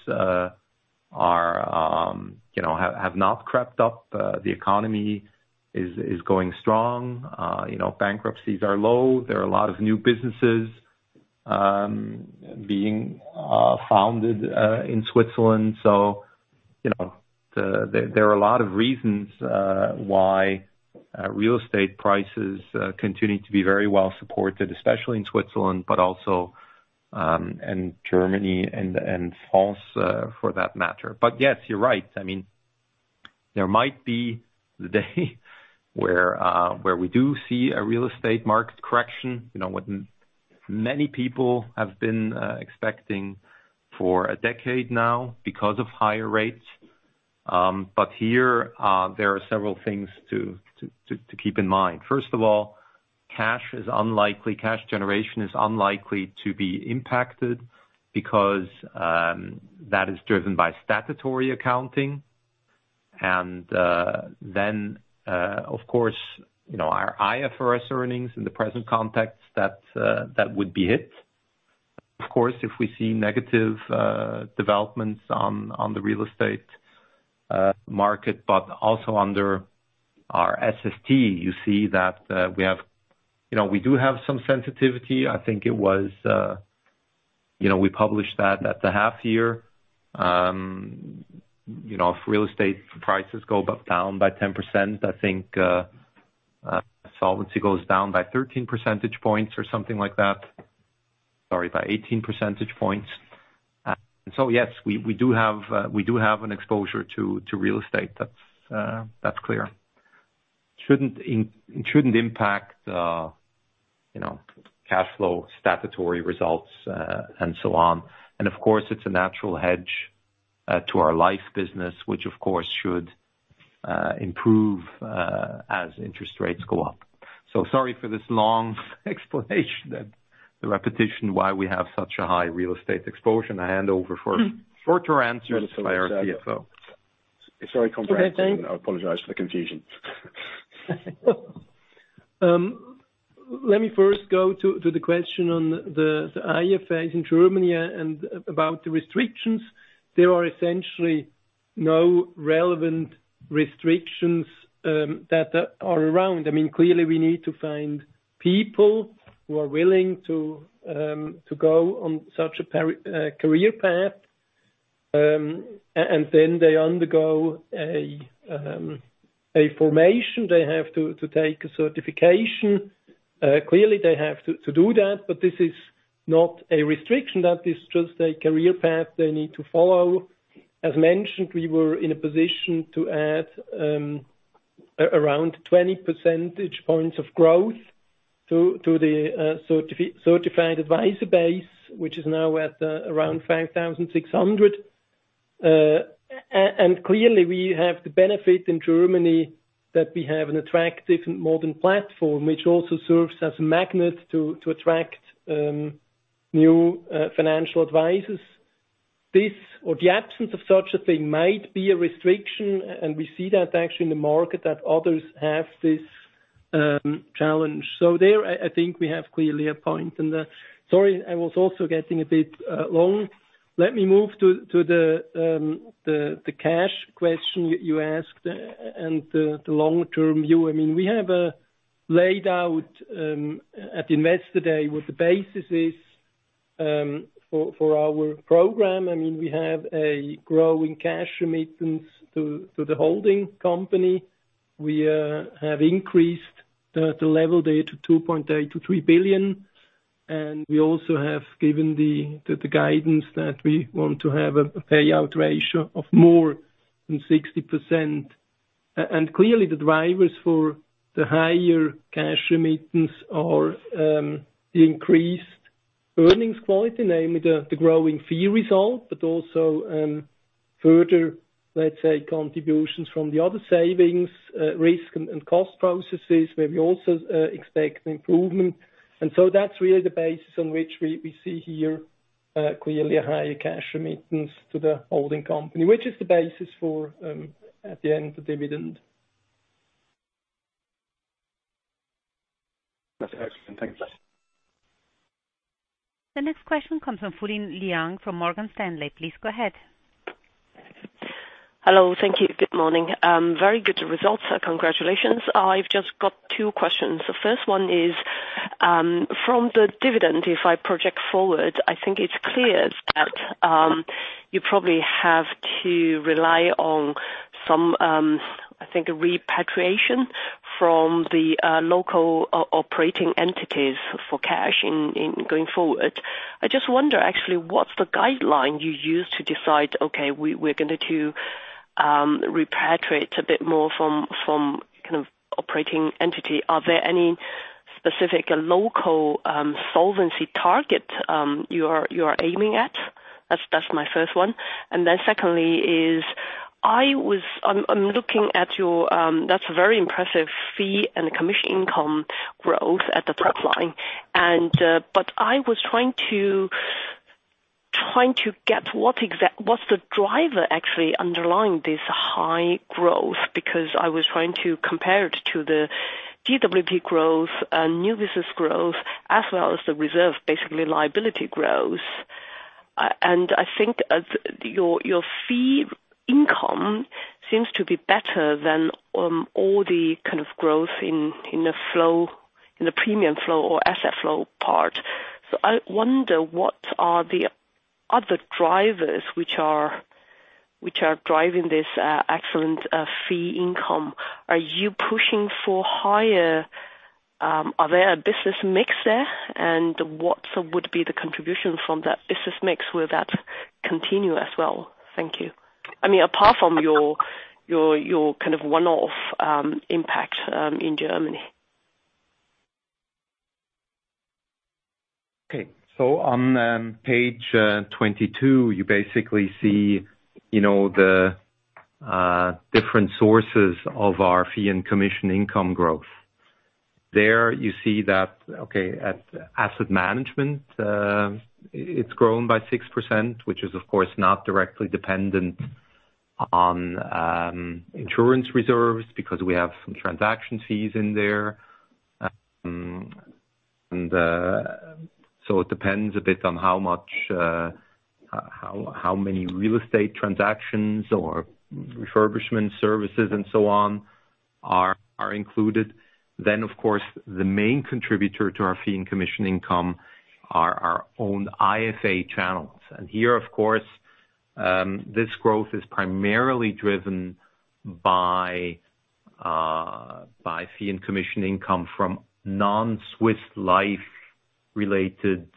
are you know have not crept up. The economy is going strong. You know, bankruptcies are low. There are a lot of new businesses being founded in Switzerland. You know, there are a lot of reasons why real estate prices continue to be very well supported, especially in Switzerland, but also in Germany and France for that matter. Yes, you're right. I mean, there might be the day where we do see a real estate market correction. You know, what many people have been expecting for a decade now because of higher rates. There are several things to keep in mind. First of all, cash is unlikely, cash generation is unlikely to be impacted because that is driven by statutory accounting. Then, of course, you know, our IFRS earnings in the present context that would be hit. Of course, if we see negative developments on the real estate market, but also under our SST, you see that we have some sensitivity. I think it was, you know, we published that at the half year. You know, if real estate prices go down by 10%, I think solvency goes down by 13 percentage points or something like that. Sorry, by 18 percentage points. Yes, we do have an exposure to real estate. That's clear. It shouldn't impact you know, cash flow, statutory results, and so on. Of course, it's a natural hedge to our life business, which of course should improve as interest rates go up. Sorry for this long explanation and the repetition why we have such a high real estate exposure. I hand over for shorter answers by our CFO. It's very complicated.
Okay, thanks.
I apologize for the confusion.
Let me first go to the question on the IFAs in Germany and about the restrictions. There are essentially no relevant restrictions that are around. I mean, clearly, we need to find people who are willing to go on such a career path, and then they undergo a formation. They have to take a certification. Clearly, they have to do that, but this is not a restriction. That is just a career path they need to follow. As mentioned, we were in a position to add around 20 percentage points of growth to the certified advisor base, which is now at around 5,600. Clearly, we have the benefit in Germany that we have an attractive and modern platform, which also serves as a magnet to attract new financial advisors. This or the absence of such a thing might be a restriction, and we see that actually in the market that others have this challenge. I think we have clearly a point in that. Sorry, I was also getting a bit long. Let me move to the cash question you asked and the long-term view. I mean, we have laid out at the investor day what the basis is for our program. I mean, we have a growing cash remittance to the holding company. We have increased the level there to 2.8 billion-3 billion. We also have given the guidance that we want to have a payout ratio of more than 60%. Clearly, the drivers for the higher cash remittance are the increased earnings quality, namely the growing fee result, but also further, let's say, contributions from the other savings, risk and cost processes, where we also expect an improvement. That's really the basis on which we see here clearly a higher cash remittance to the holding company, which is the basis for, at the end, the dividend.
That's excellent. Thank you.
The next question comes from Fulin Liang from Morgan Stanley. Please go ahead.
Hello. Thank you. Good morning. Very good results. Congratulations. I've just got two questions. The first one is, from the dividend, if I project forward, I think it's clear that you probably have to rely on repatriation from the local operating entities for cash in going forward. I just wonder actually what's the guideline you use to decide, okay, we're going to repatriate a bit more from kind of operating entity. Are there any specific local solvency target you are aiming at? That's my first one. Then secondly, I'm looking at your very impressive fee and commission income growth at the top line. But I was trying to get what's the driver actually underlying this high growth? Because I was trying to compare it to the GWP growth and new business growth as well as the reserve, basically liability growth. I think as your fee income seems to be better than all the kind of growth in the flow, in the premium flow or asset flow part. I wonder what are the other drivers which are driving this excellent fee income. Are there a business mix there? And what would be the contribution from that business mix? Will that continue as well? Thank you. I mean, apart from your kind of one-off impact in Germany.
On page 22, you basically see, you know, the different sources of our fee and commission income growth. There you see that at asset management, it's grown by 6%, which is of course not directly dependent on insurance reserves because we have some transaction fees in there. It depends a bit on how many real estate transactions or refurbishment services and so on are included. Then of course, the main contributor to our fee and commission income are our own IFA channels. Here, of course, this growth is primarily driven by fee and commission income from non-Swiss Life related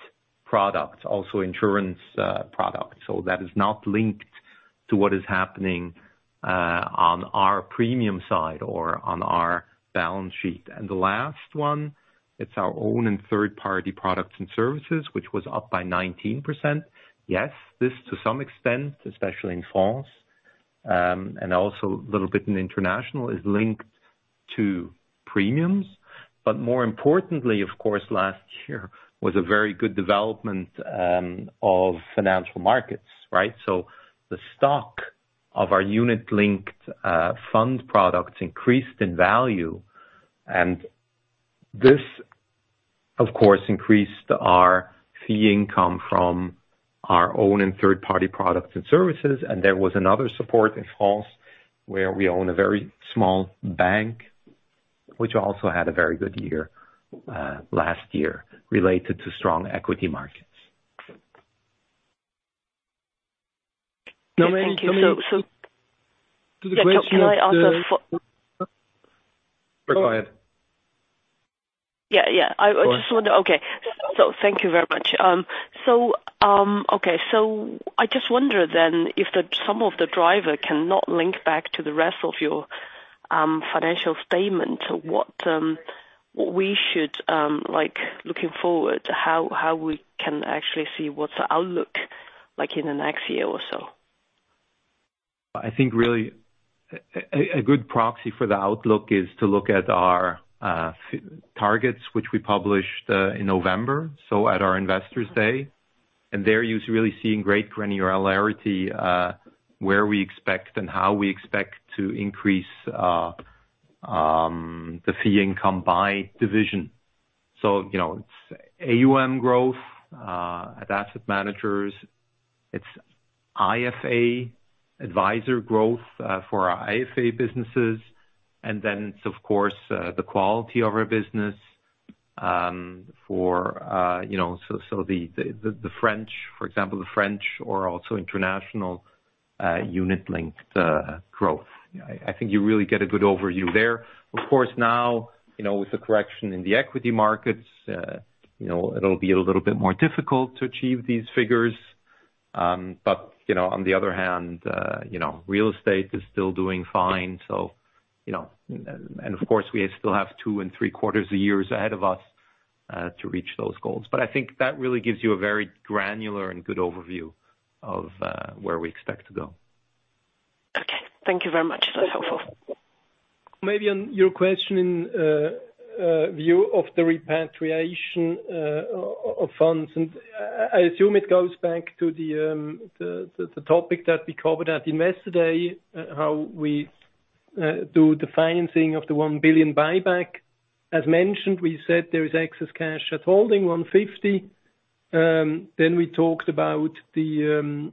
products, also insurance products. That is not linked to what is happening on our premium side or on our balance sheet. The last one, it's our own and third-party products and services, which was up by 19%. Yes, this to some extent, especially in France, and also a little bit in international, is linked to premiums. More importantly, of course, last year was a very good development of financial markets, right? The stock of our unit-linked fund products increased in value. This, of course, increased our fee income from our own and third-party products and services. There was another support in France where we own a very small bank, which also had a very good year last year related to strong equity markets.
Thank you.
Coming to the question of the.
Yeah. Can I ask a fo-
Go ahead.
Yeah, yeah.
Go ahead.
Thank you very much. I just wonder if the sum of the drivers cannot link back to the rest of your financial statement, what we should like looking forward, how we can actually see what's the outlook like in the next year or so?
I think really a good proxy for the outlook is to look at our fee targets, which we published in November, so at our Investors Day. There you're really seeing great granularity, where we expect and how we expect to increase the fee income by division. You know, it's AUM growth at asset managers. It's IFA advisor growth for our IFA businesses. Then it's of course the quality of our business for you know, so the French, for example, the French or also international unit-linked growth. I think you really get a good overview there. Of course now, you know, with the correction in the equity markets, you know, it'll be a little bit more difficult to achieve these figures. You know, on the other hand, you know, real estate is still doing fine. You know, of course, we still have two and three quarters a year ahead of us to reach those goals. I think that really gives you a very granular and good overview of where we expect to go.
Okay. Thank you very much. That's helpful.
Maybe on your question in view of the repatriation of funds. I assume it goes back to the topic that we covered at Investor Day, how we do the financing of the 1 billion buyback. As mentioned, we said there is excess cash at the holdco, 150 million. We talked about the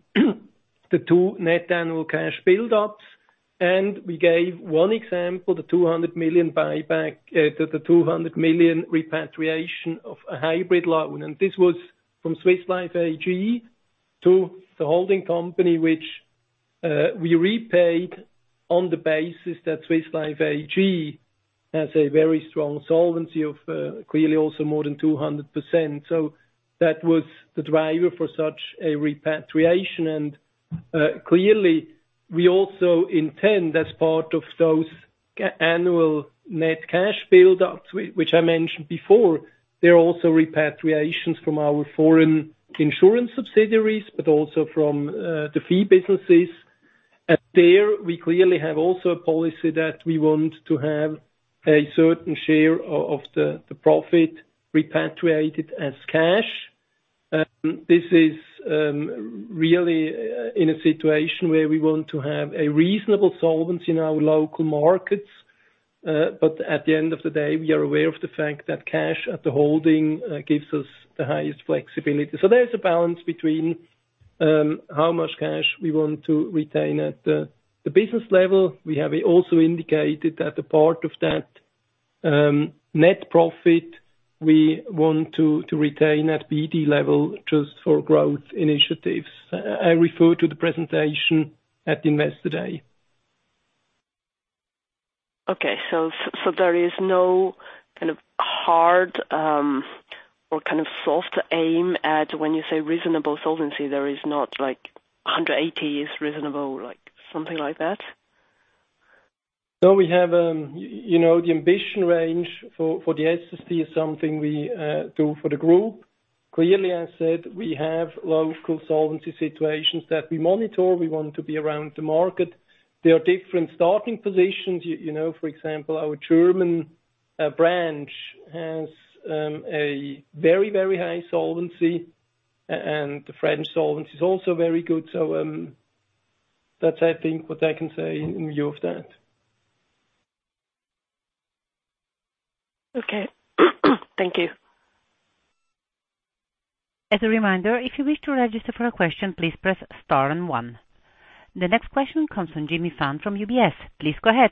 2 net annual cash build-ups, and we gave one example, the 200 million buyback, the 200 million repatriation of a hybrid loan. From Swiss Life AG to the holdco, which we repaid on the basis that Swiss Life AG has a very strong solvency of clearly also more than 200%. That was the driver for such a repatriation. Clearly, we also intend as part of those annual net cash build ups, which I mentioned before. They're also repatriations from our foreign insurance subsidiaries, but also from the fee businesses. There we clearly have also a policy that we want to have a certain share of the profit repatriated as cash. This is really in a situation where we want to have a reasonable solvency in our local markets. At the end of the day, we are aware of the fact that cash at the holding gives us the highest flexibility. There's a balance between how much cash we want to retain at the business level. We have also indicated that a part of that net profit we want to retain at BD level just for growth initiatives. I refer to the presentation at Investor Day.
Okay. There is no kind of hard or kind of soft aim at when you say reasonable solvency. There is not like 180% is reasonable, like, something like that?
No, we have, you know, the ambition range for the SST is something we do for the group. Clearly, I said we have local solvency situations that we monitor. We want to be around the market. There are different starting positions. You know, for example, our German branch has a very, very high solvency and the French solvency is also very good. That's I think what I can say in view of that.
Okay. Thank you.
As a reminder, if you wish to register for a question, please press star and one. The next question comes from Jimmy Fan from UBS. Please go ahead.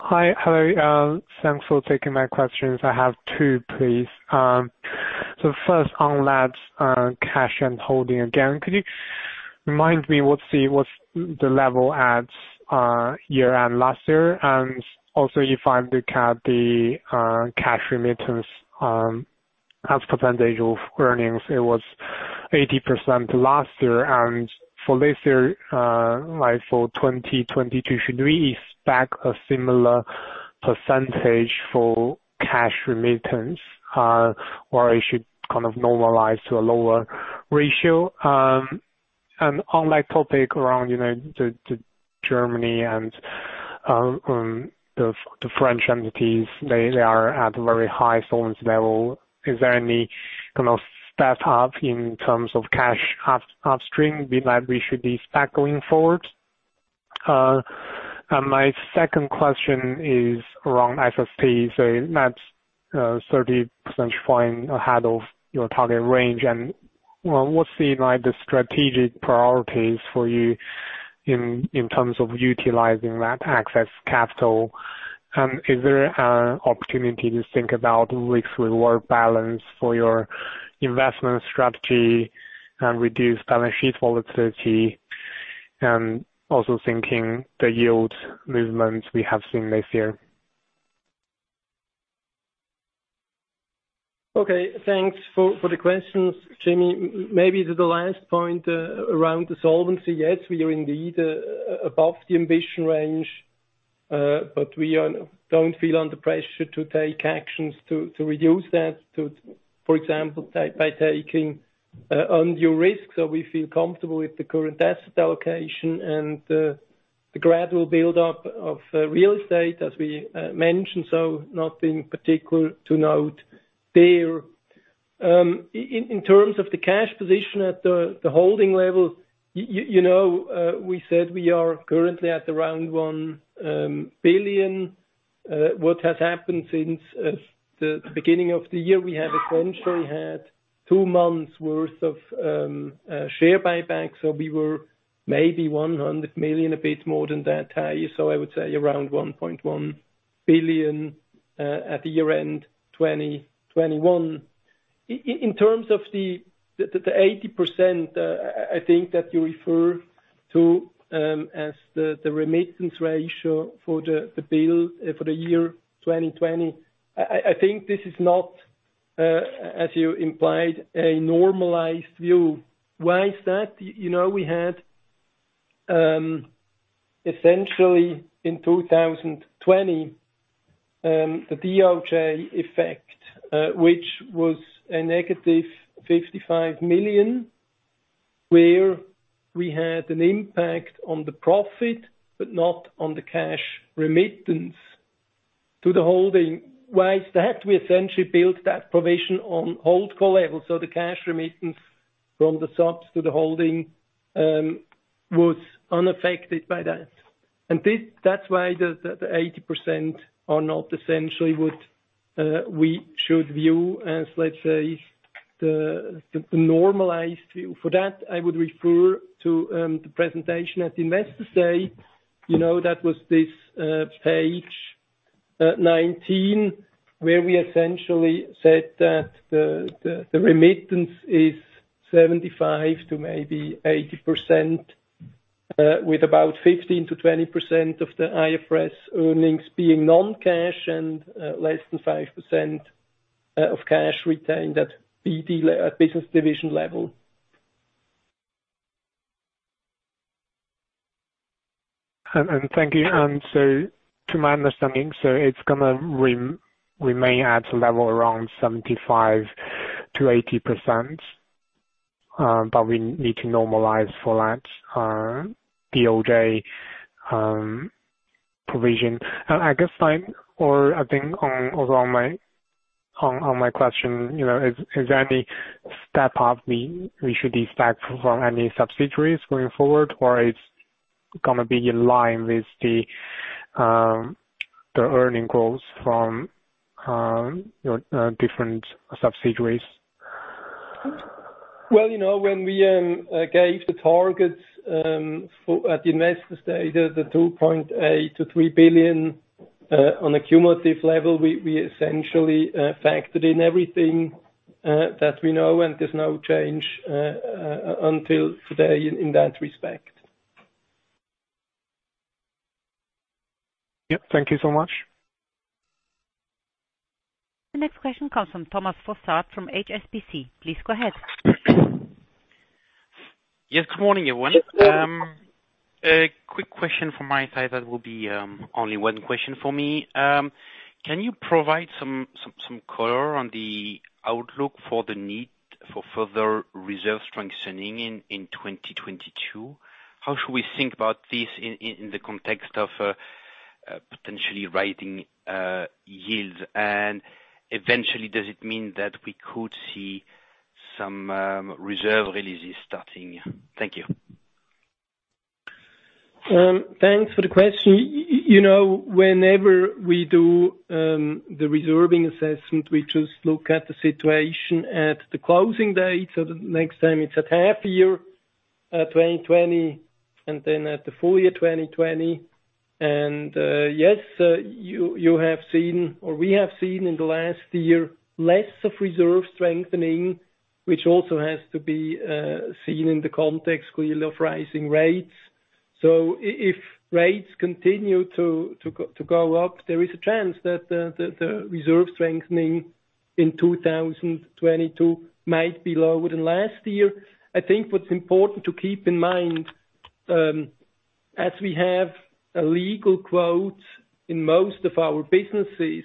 Hi. Hello. Thanks for taking my questions. I have two, please. First on liquidity, cash holdings again. Could you remind me what's the level at year-end last year? Also if I look at the cash remittance as percentage of earnings, it was 80% last year. For this year, like for 2022, should we expect a similar percentage for cash remittance, or it should kind of normalize to a lower ratio? On that topic around, you know, the German and the French entities, they are at a very high solvency level. Is there any kind of step up in terms of cash upstream that we should expect going forward? My second question is around SST. That's 30% fine ahead of your target range. Well, what's the, like, the strategic priorities for you in terms of utilizing that excess capital? Is there an opportunity to think about risk reward balance for your investment strategy and reduce balance sheet volatility? Also thinking the yield movements we have seen this year.
Okay. Thanks for the questions, Jimmy. Maybe to the last point around the solvency. Yes, we are indeed above the ambition range. But we don't feel under pressure to take actions to reduce that to, for example, by taking on new risks, so we feel comfortable with the current asset allocation and the gradual build-up of real estate as we mentioned. So nothing particular to note there. In terms of the cash position at the holding level, you know, we said we are currently at around 1 billion. What has happened since the beginning of the year, we have essentially had two months worth of share buyback, so we were maybe 100 million, a bit more than that high. I would say around 1.1 billion at the year-end 2021. In terms of the 80%, I think that you refer to as the remittance ratio for the bill for the year 2020. I think this is not as you implied a normalized view. Why is that? You know, we had essentially in 2020 the DAC effect, which was a -55 million, where we had an impact on the profit but not on the cash remittance to the holding. Why is that? We essentially built that provision on holdco level, so the cash remittance from the subs to the holding was unaffected by that. That's why the 80% are not essentially what we should view as, let's say, the normalized view. For that, I would refer to the presentation at Investor Day. You know, that was this page 19, where we essentially said that the remittance is 75% to maybe 80%, with about 15%-20% of the IFRS earnings being non-cash and less than 5% of cash retained at business division level.
Thank you. To my understanding, it's gonna remain at a level around 75%-80%, but we need to normalize for that DOJ provision. I think on my question, is there any step up we should expect from any subsidiaries going forward, or it's gonna be in line with the earnings goals from different subsidiaries?
Well, you know, when we gave the targets for at the investor stage, the 2.8 billion-3 billion on a cumulative level, we essentially factored in everything that we know. There's no change until today in that respect.
Yep. Thank you so much.
The next question comes from Thomas Fossard from HSBC. Please go ahead.
Yes. Good morning, everyone. A quick question from my side that will be only one question for me. Can you provide some color on the outlook for the need for further reserve strengthening in 2022? How should we think about this in the context of potentially rising yields? Eventually, does it mean that we could see some reserve releases starting? Thank you.
Thanks for the question. You know, whenever we do the reserving assessment, we just look at the situation at the closing date. The next time it's at half year, 2020, and then at the full year, 2020. Yes, you have seen, or we have seen in the last year, less of reserve strengthening, which also has to be seen in the context clearly of rising rates. If rates continue to go up, there is a chance that the reserve strengthening in 2022 might be lower than last year. I think what's important to keep in mind, as we have a legal quota in most of our businesses,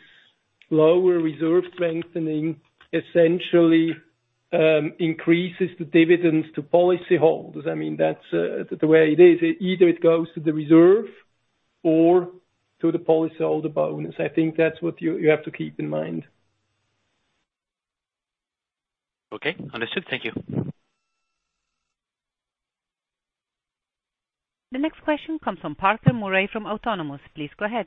lower reserve strengthening essentially increases the dividends to policy holders. I mean, that's the way it is. Either it goes to the reserve or to the policy holder bonus. I think that's what you have to keep in mind.
Okay. Understood. Thank you.
The next question comes from Farquhar Murray from Autonomous. Please go ahead.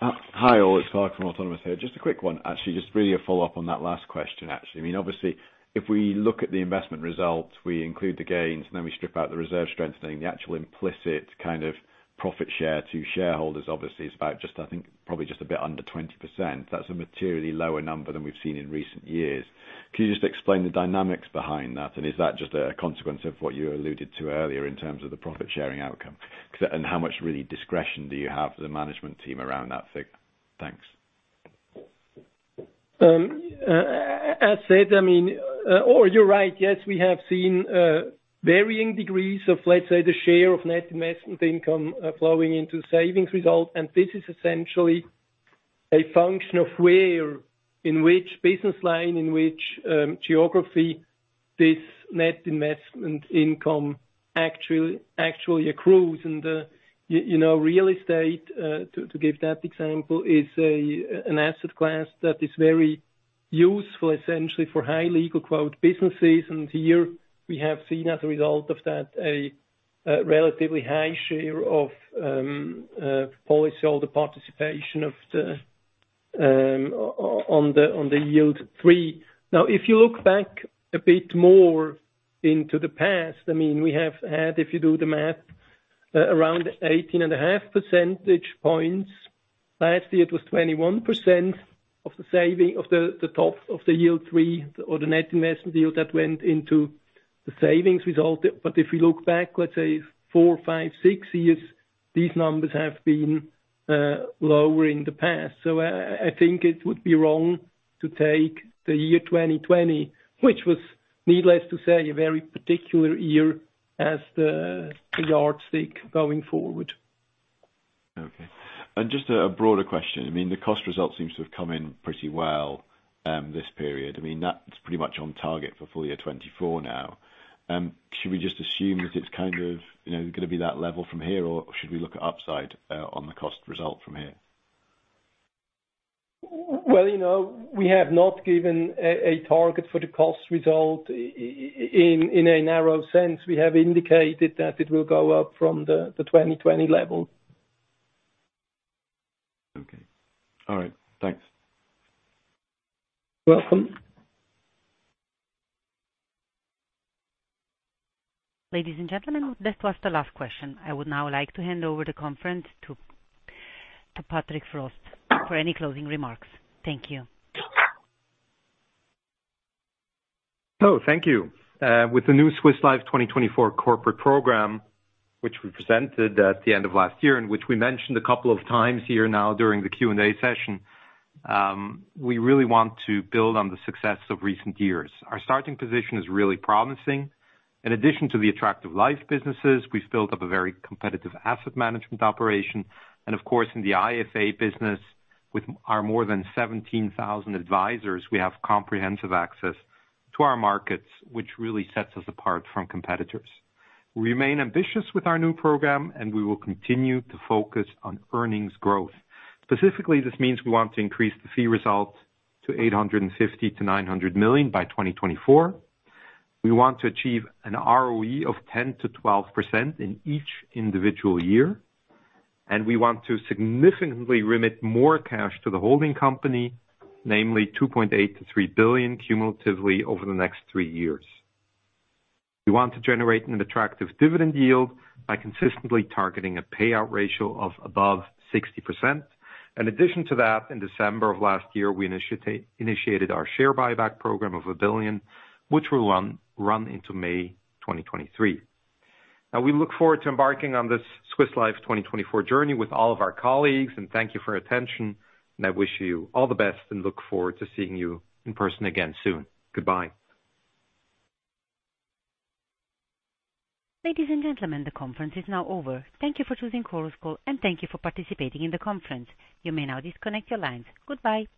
Hi, all. It's Farq from Autonomous Research here. Just a quick one. Actually, just really a follow-up on that last question, actually. I mean, obviously, if we look at the investment results, we include the gains, and then we strip out the reserve strengthening. The actual implicit, kind of, profit share to shareholders obviously is about just, I think, probably just a bit under 20%. That's a materially lower number than we've seen in recent years. Can you just explain the dynamics behind that? And is that just a consequence of what you alluded to earlier in terms of the profit-sharing outcome? And how much real discretion do you have for the management team around that figure? Thanks.
As said, I mean, or you're right. Yes, we have seen varying degrees of, let's say, the share of net investment income flowing into savings result. This is essentially a function of where, in which business line, in which geography this net investment income actually accrues. You know, real estate to give that example is an asset class that is very useful essentially for high legal quota businesses. Here we have seen as a result of that a relatively high share of policyholder participation on the yield three. Now, if you look back a bit more into the past, I mean, we have had, if you do the math, around 18.5 percentage points. Last year it was 21% of the saving of the yield three or the net investment yield that went into the savings result. If you look back, let's say 4, 5, 6 years, these numbers have been lower in the past. I think it would be wrong to take the year 2020, which was, needless to say, a very particular year as the yardstick going forward.
Okay. Just a broader question. I mean, the cost results seems to have come in pretty well, this period. I mean, that's pretty much on target for full year 2024 now. Should we just assume that it's kind of, you know, gonna be that level from here, or should we look at upside, on the cost result from here?
Well, you know, we have not given a target for the cost result in a narrow sense. We have indicated that it will go up from the 2020 level.
Okay. All right. Thanks.
Welcome.
Ladies and gentlemen, that was the last question. I would now like to hand over the conference to Patrick Frost for any closing remarks. Thank you.
Oh, thank you. With the new Swiss Life 2024 corporate program, which we presented at the end of last year, and which we mentioned a couple of times here now during the Q&A session, we really want to build on the success of recent years. Our starting position is really promising. In addition to the attractive life businesses, we've built up a very competitive asset management operation. Of course, in the IFA business with our more than 17,000 advisors, we have comprehensive access to our markets, which really sets us apart from competitors. We remain ambitious with our new program, and we will continue to focus on earnings growth. Specifically, this means we want to increase the fee result to 850 million-900 million by 2024. We want to achieve an ROE of 10%-12% in each individual year. We want to significantly remit more cash to the holding company, namely 2.8 billion-3 billion cumulatively over the next three years. We want to generate an attractive dividend yield by consistently targeting a payout ratio of above 60%. In addition to that, in December of last year, we initiated our share buyback program of 1 billion, which will run into May 2023. Now we look forward to embarking on this Swiss Life 2024 journey with all of our colleagues, and thank you for your attention, and I wish you all the best and look forward to seeing you in person again soon. Goodbye.
Ladies and gentlemen, the conference is now over. Thank you for choosing Chorus Call, and thank you for participating in the conference. You may now disconnect your lines. Goodbye.